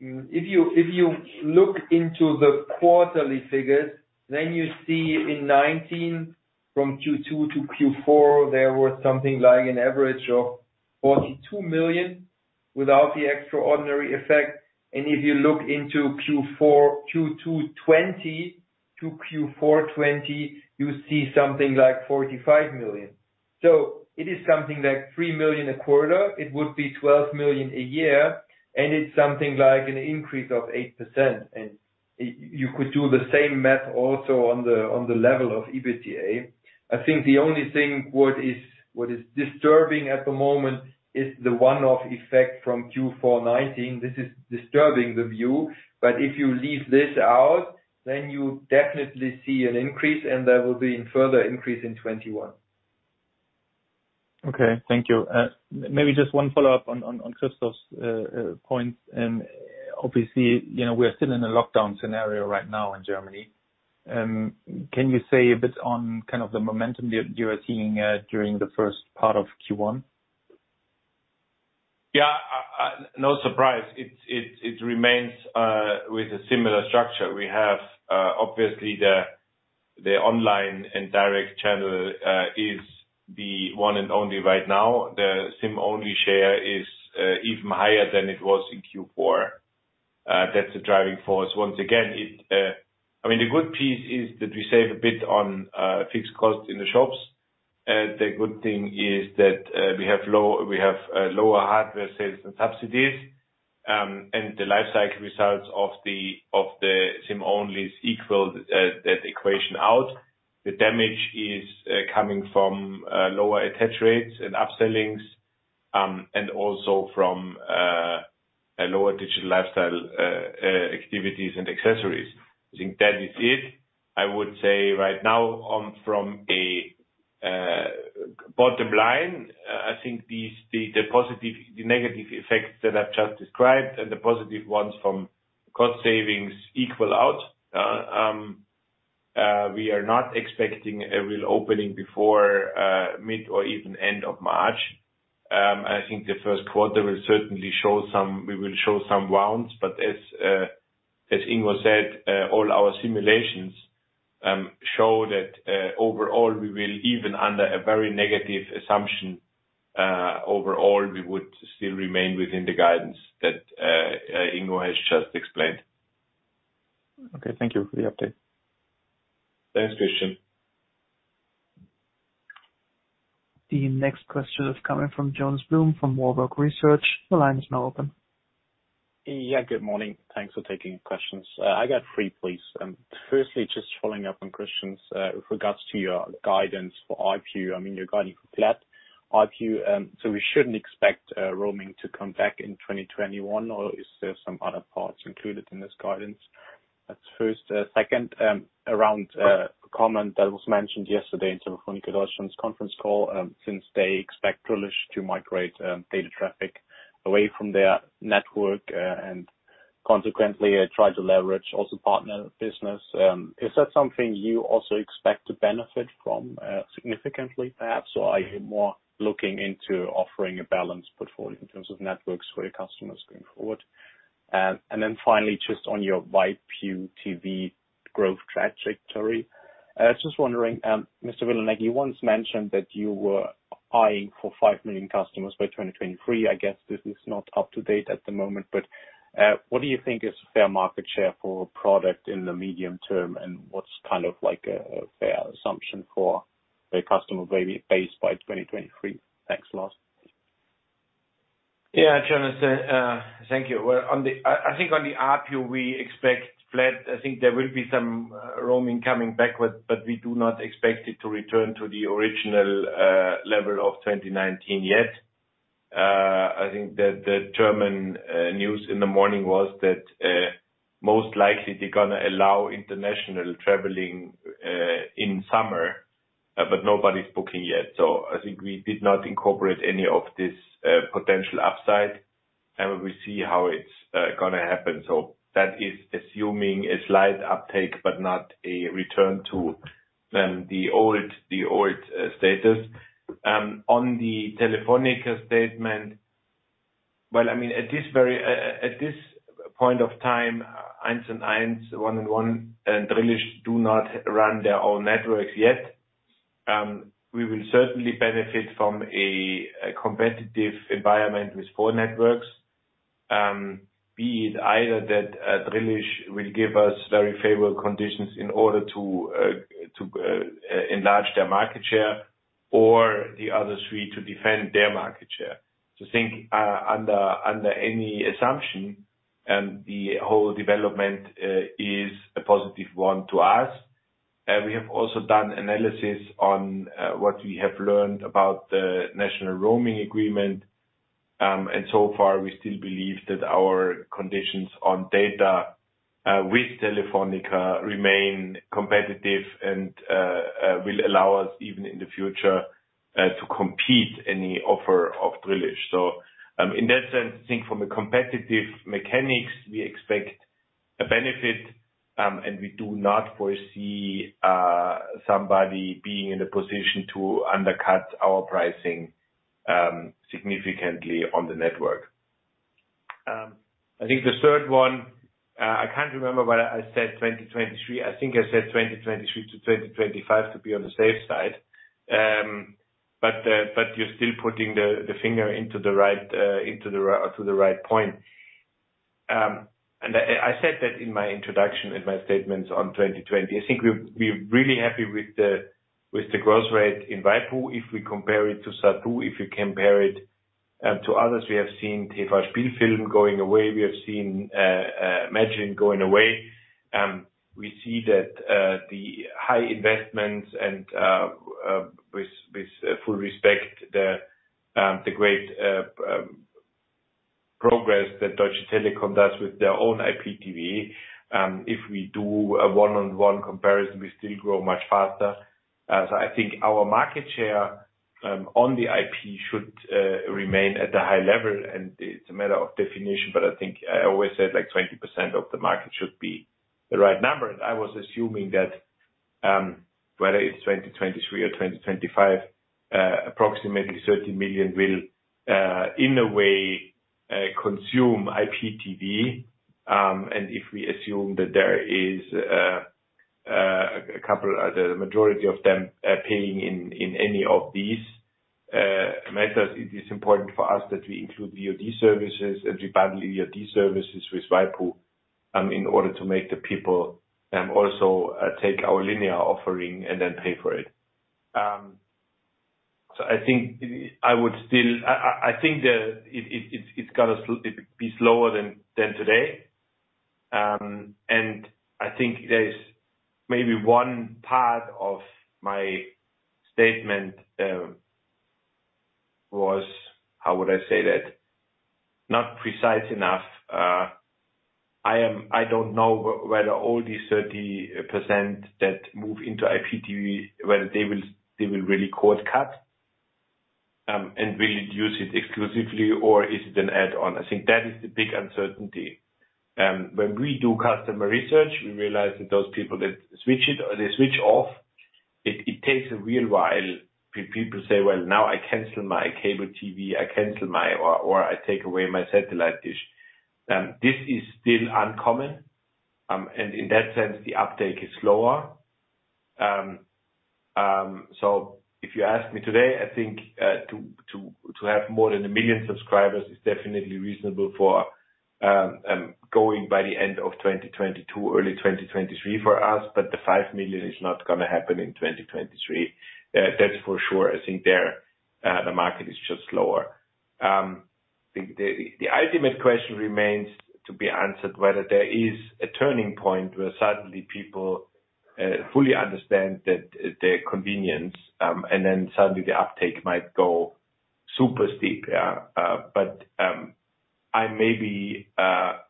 If you look into the quarterly figures, then you see in 2019, from Q2-Q4, there was something like an average of 42 million without the extraordinary effect. If you look into Q2 2020-Q4 2020, you see something like 45 million. It is something like 3 million a quarter. It would be 12 million a year, and it's something like an increase of 8%. You could do the same math also on the level of EBITDA. I think the only thing what is disturbing at the moment is the one-off effect from Q4 2019. This is disturbing the view. If you leave this out, then you definitely see an increase, and there will be a further increase in 2021. Okay. Thank you. Maybe just one follow-up on Christoph's points. Obviously, we're still in a lockdown scenario right now in Germany. Can you say a bit on kind of the momentum you are seeing during the first part of Q1? Yeah. No surprise. It remains with a similar structure. We have, obviously, the online and direct channel is the one and only right now. The SIM-only share is even higher than it was in Q4. That's the driving force. Once again, the good piece is that we save a bit on fixed costs in the shops. The good thing is that we have lower hardware sales and subsidies. The life cycle results of the SIM-only equal that equation out. The damage is coming from lower attach rates and up-sellings, and also from lower digital lifestyle activities and accessories. I think that is it. I would say right now from a bottom line, I think the negative effects that I've just described and the positive ones from cost savings equal out. We are not expecting a real opening before mid or even end of March. I think the first quarter we will show some wounds, but As Ingo said, all our simulations show that overall, we will, even under a very negative assumption, overall, we would still remain within the guidance that Ingo has just explained. Okay. Thank you for the update. Thanks, Christian. The next question is coming from Jonas Blum from Warburg Research. The line is now open. Yeah. Good morning. Thanks for taking questions. I got three, please. Firstly, just following up on Christian's with regards to your guidance for ARPU. I mean, your guidance for flat ARPU. We shouldn't expect roaming to come back in 2021, or is there some other parts included in this guidance? That's first. Second, around a comment that was mentioned yesterday in Telefónica Deutschland's conference call, since they expect Drillisch to migrate data traffic away from their network, and consequently, try to leverage also partner business. Is that something you also expect to benefit from, significantly, perhaps? Are you more looking into offering a balanced portfolio in terms of networks for your customers going forward? Finally, just on your waipu.tv growth trajectory. Just wondering, Mr. Vilanek, you once mentioned that you were eyeing for five million customers by 2023. I guess this is not up to date at the moment, but what do you think is a fair market share for a product in the medium term? And what's a fair assumption for the customer base by 2023? Thanks a lot. Yeah. Jonas, thank you. I think on the ARPU, we expect flat. I think there will be some roaming coming backward, but we do not expect it to return to the original level of 2019 yet. I think that the German news in the morning was that most likely they're going to allow international traveling in summer, but nobody's booking yet. I think we did not incorporate any of this potential upside, and we see how it's going to happen. That is assuming a slight uptake, but not a return to the old status. On the Telefónica statement. At this point of time, 1&1 and Drillisch do not run their own networks yet. We will certainly benefit from a competitive environment with four networks. Be it either that Drillisch will give us very favorable conditions in order to enlarge their market share, or the other three to defend their market share. I think, under any assumption, the whole development is a positive one to us. We have also done analysis on what we have learned about the national roaming agreement. So far, we still believe that our conditions on data, with Telefónica, remain competitive and will allow us even in the future to compete any offer of Drillisch. In that sense, I think from a competitive mechanics, we expect a benefit, and we do not foresee somebody being in a position to undercut our pricing significantly on the network. I think the third one, I can't remember whether I said 2023. I think I said 2023-2025 to be on the safe side. You're still putting the finger to the right point. I said that in my introduction, in my statements on 2020. I think we're really happy with the growth rate in waipu.tv. If we compare it to Zattoo. If you compare it to others, we have seen TV Spielfilm going away. We have seen Magine going away. We see that the high investments and, with full respect, the great progress that Deutsche Telekom does with their own IPTV. If we do a one-on-one comparison, we still grow much faster. I think our market share on the IP should remain at a high level, and it's a matter of definition, but I think I always said 20% of the market should be the right number. I was assuming that whether it's 2023 or 2025, approximately 30 million will, in a way, consume IPTV. If we assume that there is the majority of them paying in any of these methods, it is important for us that we include VOD services and we bundle VOD services with waipu.tv, in order to make the people also take our linear offering and then pay for it. I think it's got to be slower than today. I think there's maybe one part of my statement was, how would I say that, not precise enough. I don't know whether all these 30% that move into IPTV, whether they will really cord-cut, and will use it exclusively or is it an add-on. I think that is the big uncertainty. When we do customer research, we realize that those people, they switch off. It takes a real while for people say, well, now I cancel my cable TV, or I take away my satellite dish. This is still uncommon. In that sense, the uptake is slower. If you ask me today, I think to have more than one million subscribers is definitely reasonable for going by the end of 2022, early 2023 for us. The five million is not going to happen in 2023. That's for sure. I think there the market is just slower. The ultimate question remains to be answered, whether there is a turning point where suddenly people fully understand the convenience. Suddenly the uptake might go super steep. I may be,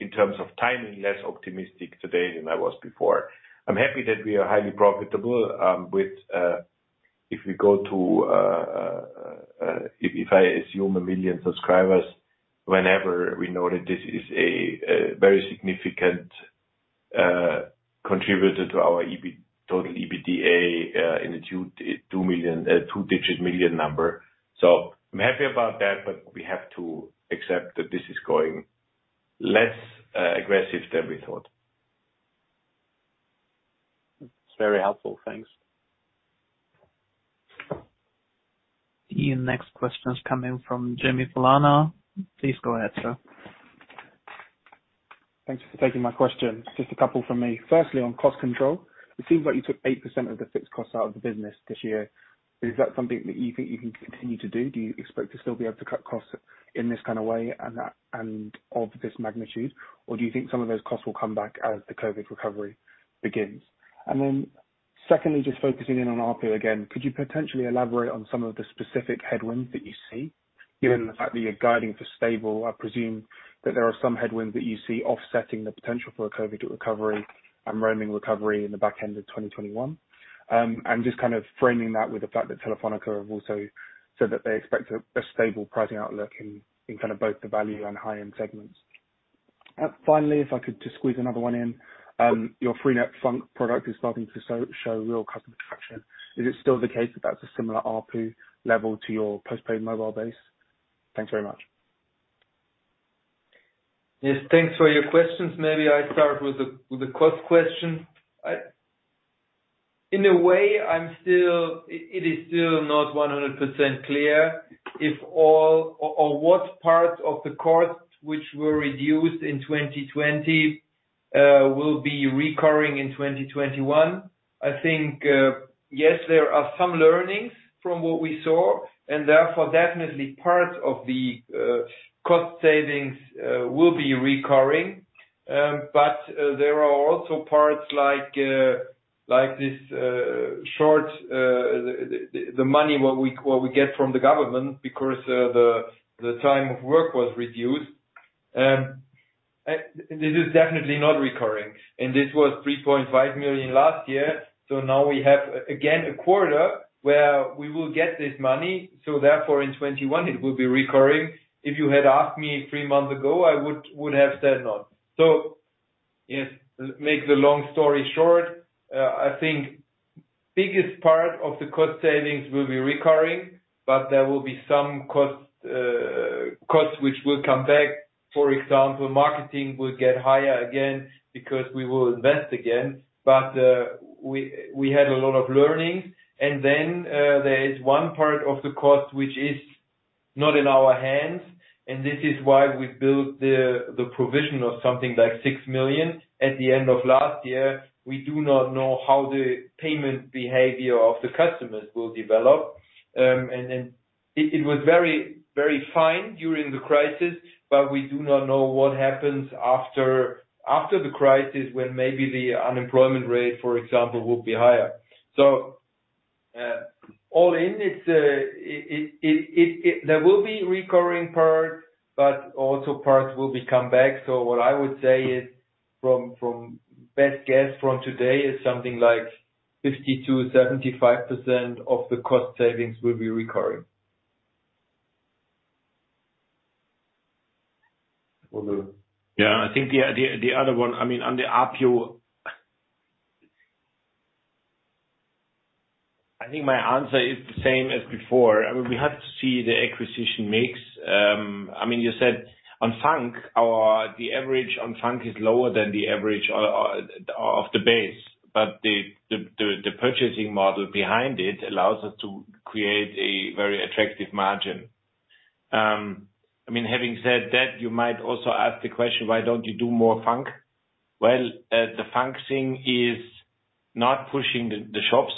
in terms of timing, less optimistic today than I was before. I'm happy that we are highly profitable. If I assume one million subscribers, whenever we know that this is a very significant contributor to our total EBITDA in a two-digit million number. I'm happy about that, but we have to accept that this is going less aggressive than we thought. It's very helpful. Thanks. The next question is coming from [Yemi Falana]. Please go ahead, Sir. Thanks for taking my question. Just a couple from me. Firstly, on cost control, it seems like you took 8% of the fixed costs out of the business this year. Is that something that you think you can continue to do? Do you expect to still be able to cut costs in this kind of way and of this magnitude, or do you think some of those costs will come back as the COVID recovery begins? Secondly, just focusing in on ARPU again, could you potentially elaborate on some of the specific headwinds that you see, given the fact that you're guiding for stable? I presume that there are some headwinds that you see offsetting the potential for a COVID recovery and roaming recovery in the back end of 2021. Just kind of framing that with the fact that Telefónica have also said that they expect a stable pricing outlook in both the value and high-end segments. Finally, if I could just squeeze another one in. Your freenet FUNK product is starting to show real customer traction. Is it still the case that that's a similar ARPU level to your postpaid mobile base? Thanks very much. Yes. Thanks for your questions. Maybe I start with the cost question. In a way, it is still not 100% clear if all or what part of the costs which were reduced in 2020 will be recurring in 2021. Therefore, definitely part of the cost savings will be recurring. There are also parts like the money what we get from the government because the time of work was reduced. This is definitely not recurring, and this was 3.5 million last year. Now we have, again, a quarter where we will get this money, so therefore in 2021 it will be recurring. If you had asked me three months ago, I would have said not. Yes, make the long story short, I think biggest part of the cost savings will be recurring, but there will be some costs which will come back. For example, marketing will get higher again because we will invest again. We had a lot of learnings, and then there is one part of the cost, which is not in our hands, and this is why we built the provision of something like 6 million at the end of last year. We do not know how the payment behavior of the customers will develop. It was very fine during the crisis, but we do not know what happens after the crisis, when maybe the unemployment rate, for example, will be higher. All in, there will be recurring parts, but also parts will be come back. What I would say is from best guess from today is something like 50%-75% of the cost savings will be recurring. Yeah. I think the other one, on the ARPU, I think my answer is the same as before. We have to see the acquisition mix. You said the average on FUNK is lower than the average of the base, but the purchasing model behind it allows us to create a very attractive margin. Having said that, you might also ask the question, why don't you do more FUNK? Well, the FUNK thing is not pushing the shops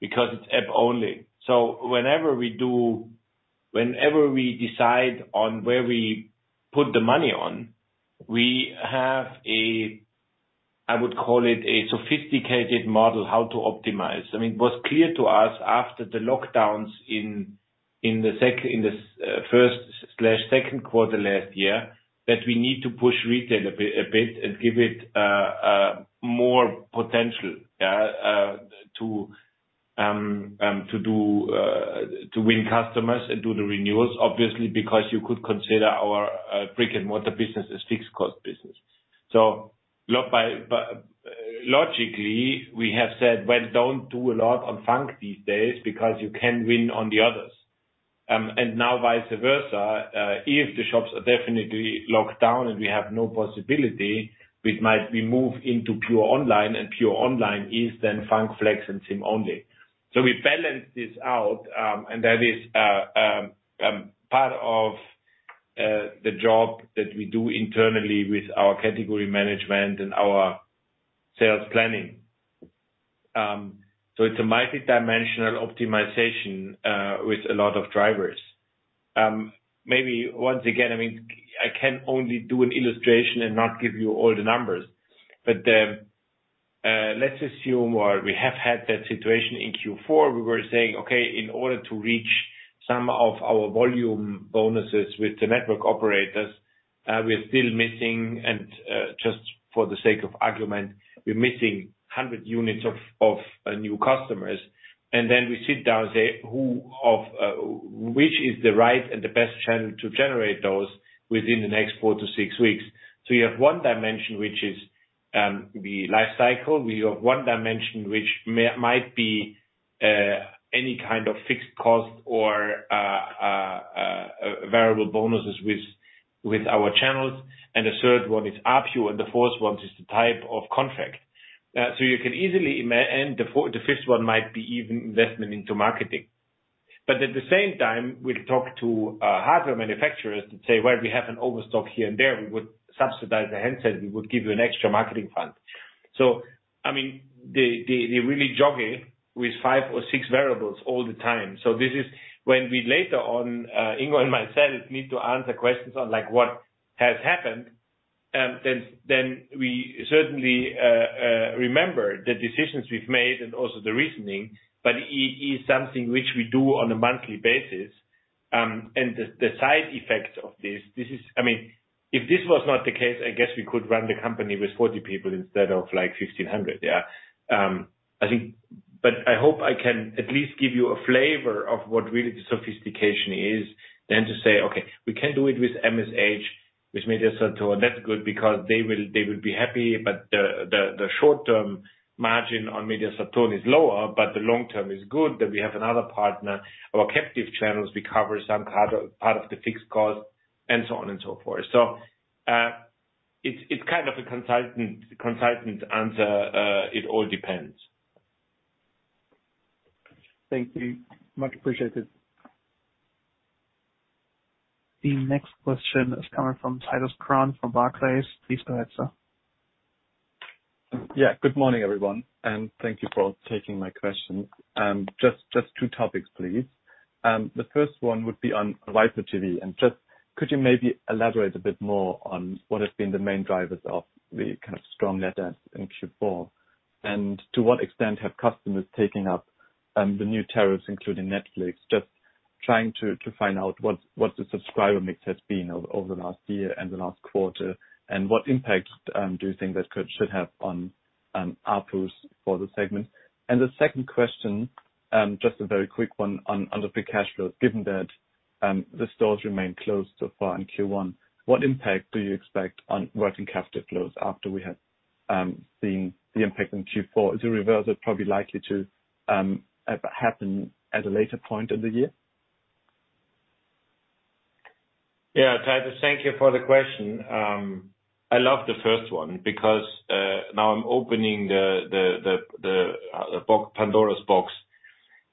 because it's app only. Whenever we decide on where we put the money on, we have a, I would call it, a sophisticated model how to optimize. It was clear to us after the lockdowns in the first/second quarter last year, that we need to push retail a bit and give it more potential to win customers and do the renewals, obviously, because you could consider our brick-and-mortar business a fixed cost business. Logically, we have said, well, don't do a lot on freenet FUNK these days because you can win on the others. Now vice versa, if the shops are definitely locked down and we have no possibility, we move into pure online, and pure online is then freenet FUNK/FLEX and SIM-only. We balance this out, and that is part of the job that we do internally with our category management and our sales planning. It's a multidimensional optimization with a lot of drivers. Maybe once again, I can only do an illustration and not give you all the numbers. Let's assume, or we have had that situation in Q4, we were saying, okay, in order to reach some of our volume bonuses with the network operators, we're still missing, and just for the sake of argument, we're missing 100 units of new customers. We sit down and say, which is the right and the best channel to generate those within the next four to six weeks? You have one dimension, which is the life cycle. We have one dimension which might be any kind of fixed cost or variable bonuses with our channels, and the third one is ARPU, and the fourth one is the type of contract. The fifth one might be even investment into marketing. At the same time, we'll talk to hardware manufacturers that say, well, we have an overstock here and there. We would subsidize the handset. We would give you an extra marketing fund. They're really jogging with five or six variables all the time. This is when we later on, Ingo and myself, need to answer questions on what has happened, then we certainly remember the decisions we've made and also the reasoning, it is something which we do on a monthly basis. The side effect of this, if this was not the case, I guess we could run the company with 40 people instead of 1,500. Yeah. I hope I can at least give you a flavor of what really the sophistication is than to say, okay, we can do it with MSH, with Media Zattoo. That's good because they will be happy, the short-term margin on Media Zattoo is lower, the long-term is good, that we have another partner. Our captive channels, we cover some part of the fixed cost and so on and so forth. It's kind of a consultant answer. It all depends. Thank you. Much appreciated. The next question is coming from Titus Krahn from Barclays. Please go ahead, Sir. Good morning, everyone, thank you for taking my question. Just two topics, please. The first one would be on waipu.tv, could you maybe elaborate a bit more on what have been the main drivers of the strong net adds in Q4? To what extent have customers taken up the new tariffs, including Netflix? Just trying to find out what the subscriber mix has been over the last year and the last quarter, what impact do you think that should have on ARPUs for the segment? The second question, just a very quick one on the free cash flows. Given that the stores remain closed so far in Q1, what impact do you expect on working cash flows after we have seen the impact in Q4? Is the reversal probably likely to happen at a later point in the year? Yeah, Titus, thank you for the question. I love the first one because now I'm opening Pandora's box.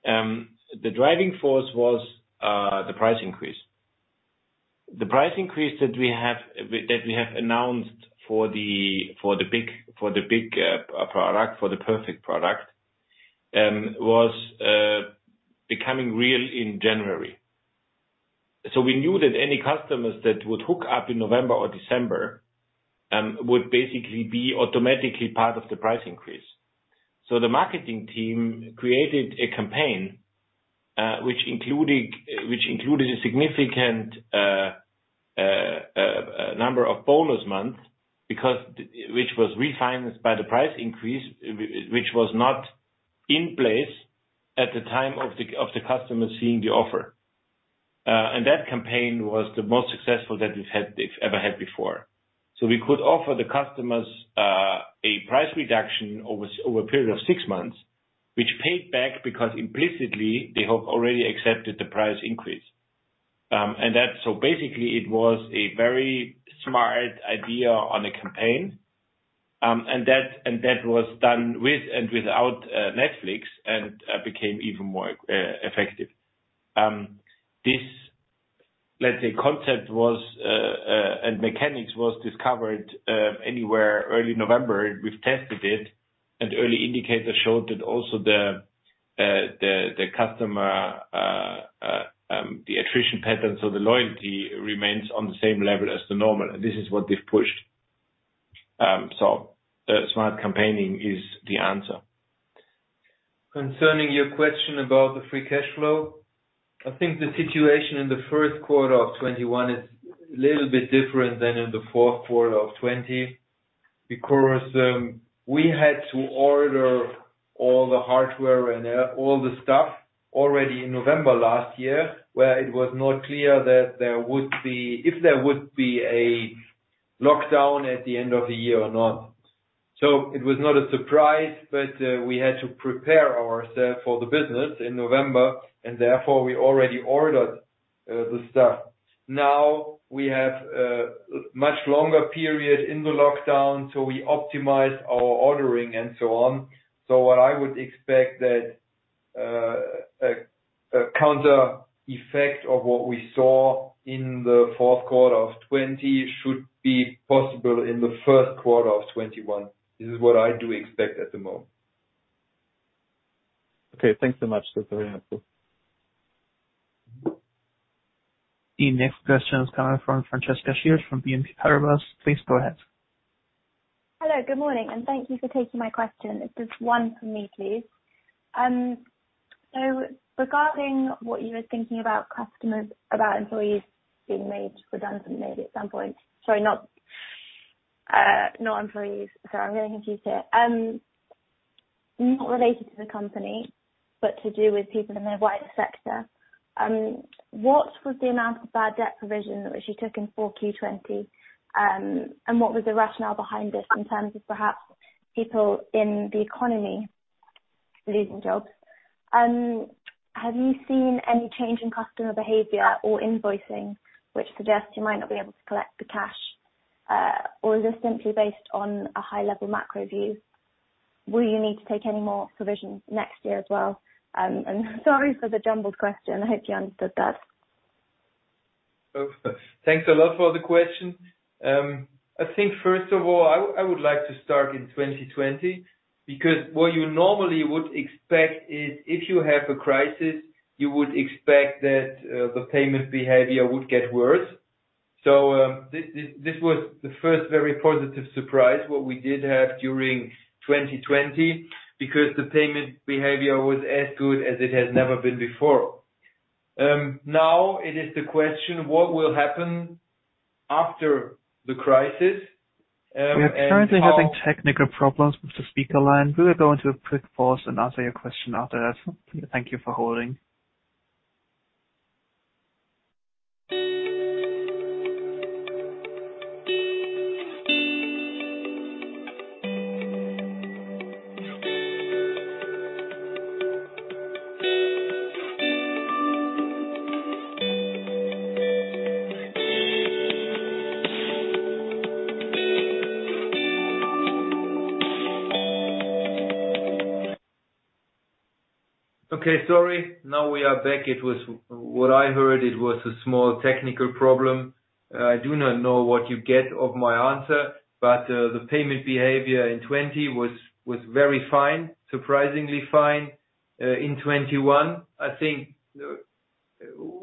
The driving force was the price increase. The price increase that we have announced for the big product, for the Perfect product, was becoming real in January. We knew that any customers that would hook up in November or December would basically be automatically part of the price increase. The marketing team created a campaign, which included a significant number of bonus months, which was refinanced by the price increase, which was not in place at the time of the customer seeing the offer. That campaign was the most successful that we've ever had before. We could offer the customers a price reduction over a period of six months, which paid back because implicitly, they have already accepted the price increase. Basically, it was a very smart idea on a campaign, and that was done with and without Netflix and became even more effective. This, let's say, concept and mechanics was discovered anywhere early November. We've tested it. Early indicators showed that also the customer, the attrition patterns of the loyalty remains on the same level as the normal, and this is what they've pushed. Smart campaigning is the answer. Concerning your question about the free cash flow, I think the situation in the first quarter of 2021 is little bit different than in the fourth quarter of 2020, because we had to order all the hardware and all the stuff already in November last year, where it was not clear if there would be a lockdown at the end of the year or not. It was not a surprise, but we had to prepare ourselves for the business in November, therefore we already ordered the stuff. Now we have a much longer period in the lockdown, we optimized our ordering and so on. What I would expect that a counter effect of what we saw in the fourth quarter of 2020 should be possible in the first quarter of 2021. This is what I do expect at the moment. Thanks so much. That's very helpful. The next question is coming from Francesca Schild from BNP Paribas. Please go ahead. Hello, good morning. Thank you for taking my question. It's just one for me, please. Regarding what you were thinking about employees being made redundant maybe at some point. Sorry, not employees. Sorry, I'm getting confused here. Not related to the company, but to do with people in the wider sector. What was the amount of bad debt provision which you took in 4Q 2020? What was the rationale behind this in terms of perhaps people in the economy losing jobs? Have you seen any change in customer behavior or invoicing which suggests you might not be able to collect the cash? Is this simply based on a high-level macro view? Will you need to take any more provisions next year as well? Sorry for the jumbled question. I hope you understood that. Thanks a lot for the question. I think first of all, I would like to start in 2020 because what you normally would expect is if you have a crisis, you would expect that the payment behavior would get worse. This was the first very positive surprise what we did have during 2020, because the payment behavior was as good as it has never been before. Now it is the question, what will happen after the crisis? We are currently having technical problems with the speaker line. We are going to a quick pause and answer your question after that. Thank you for holding. Okay, sorry. Now we are back. What I heard, it was a small technical problem. I do not know what you get of my answer, the payment behavior in 2020 was very fine, surprisingly fine. In 2021, I think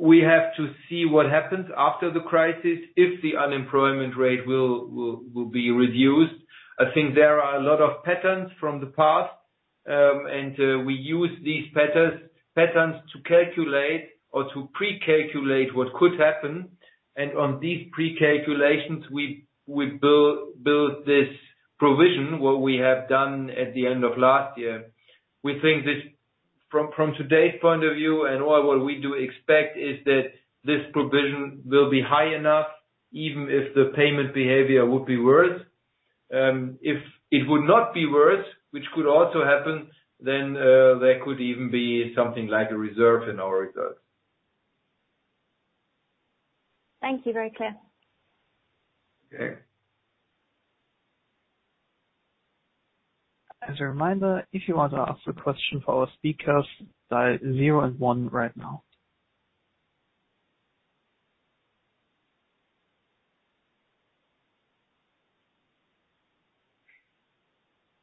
we have to see what happens after the crisis if the unemployment rate will be reduced. I think there are a lot of patterns from the past. We use these patterns to calculate or to pre-calculate what could happen. On these pre-calculations, we build this provision, what we have done at the end of last year. We think that from today's point of view and what we do expect is that this provision will be high enough even if the payment behavior would be worse. If it would not be worse, which could also happen, then there could even be something like a reserve in our results. Thank you. Very clear. Okay.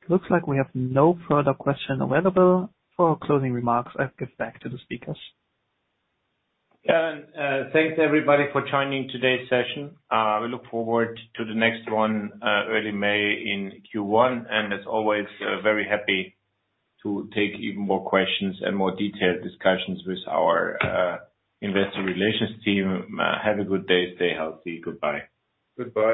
Looks like we have no further question available. For closing remarks, I'll give back to the speakers. Thanks, everybody, for joining today's session. We look forward to the next one early May in Q1. As always, very happy to take even more questions and more detailed discussions with our investor relations team. Have a good day. Stay healthy. Goodbye. Goodbye.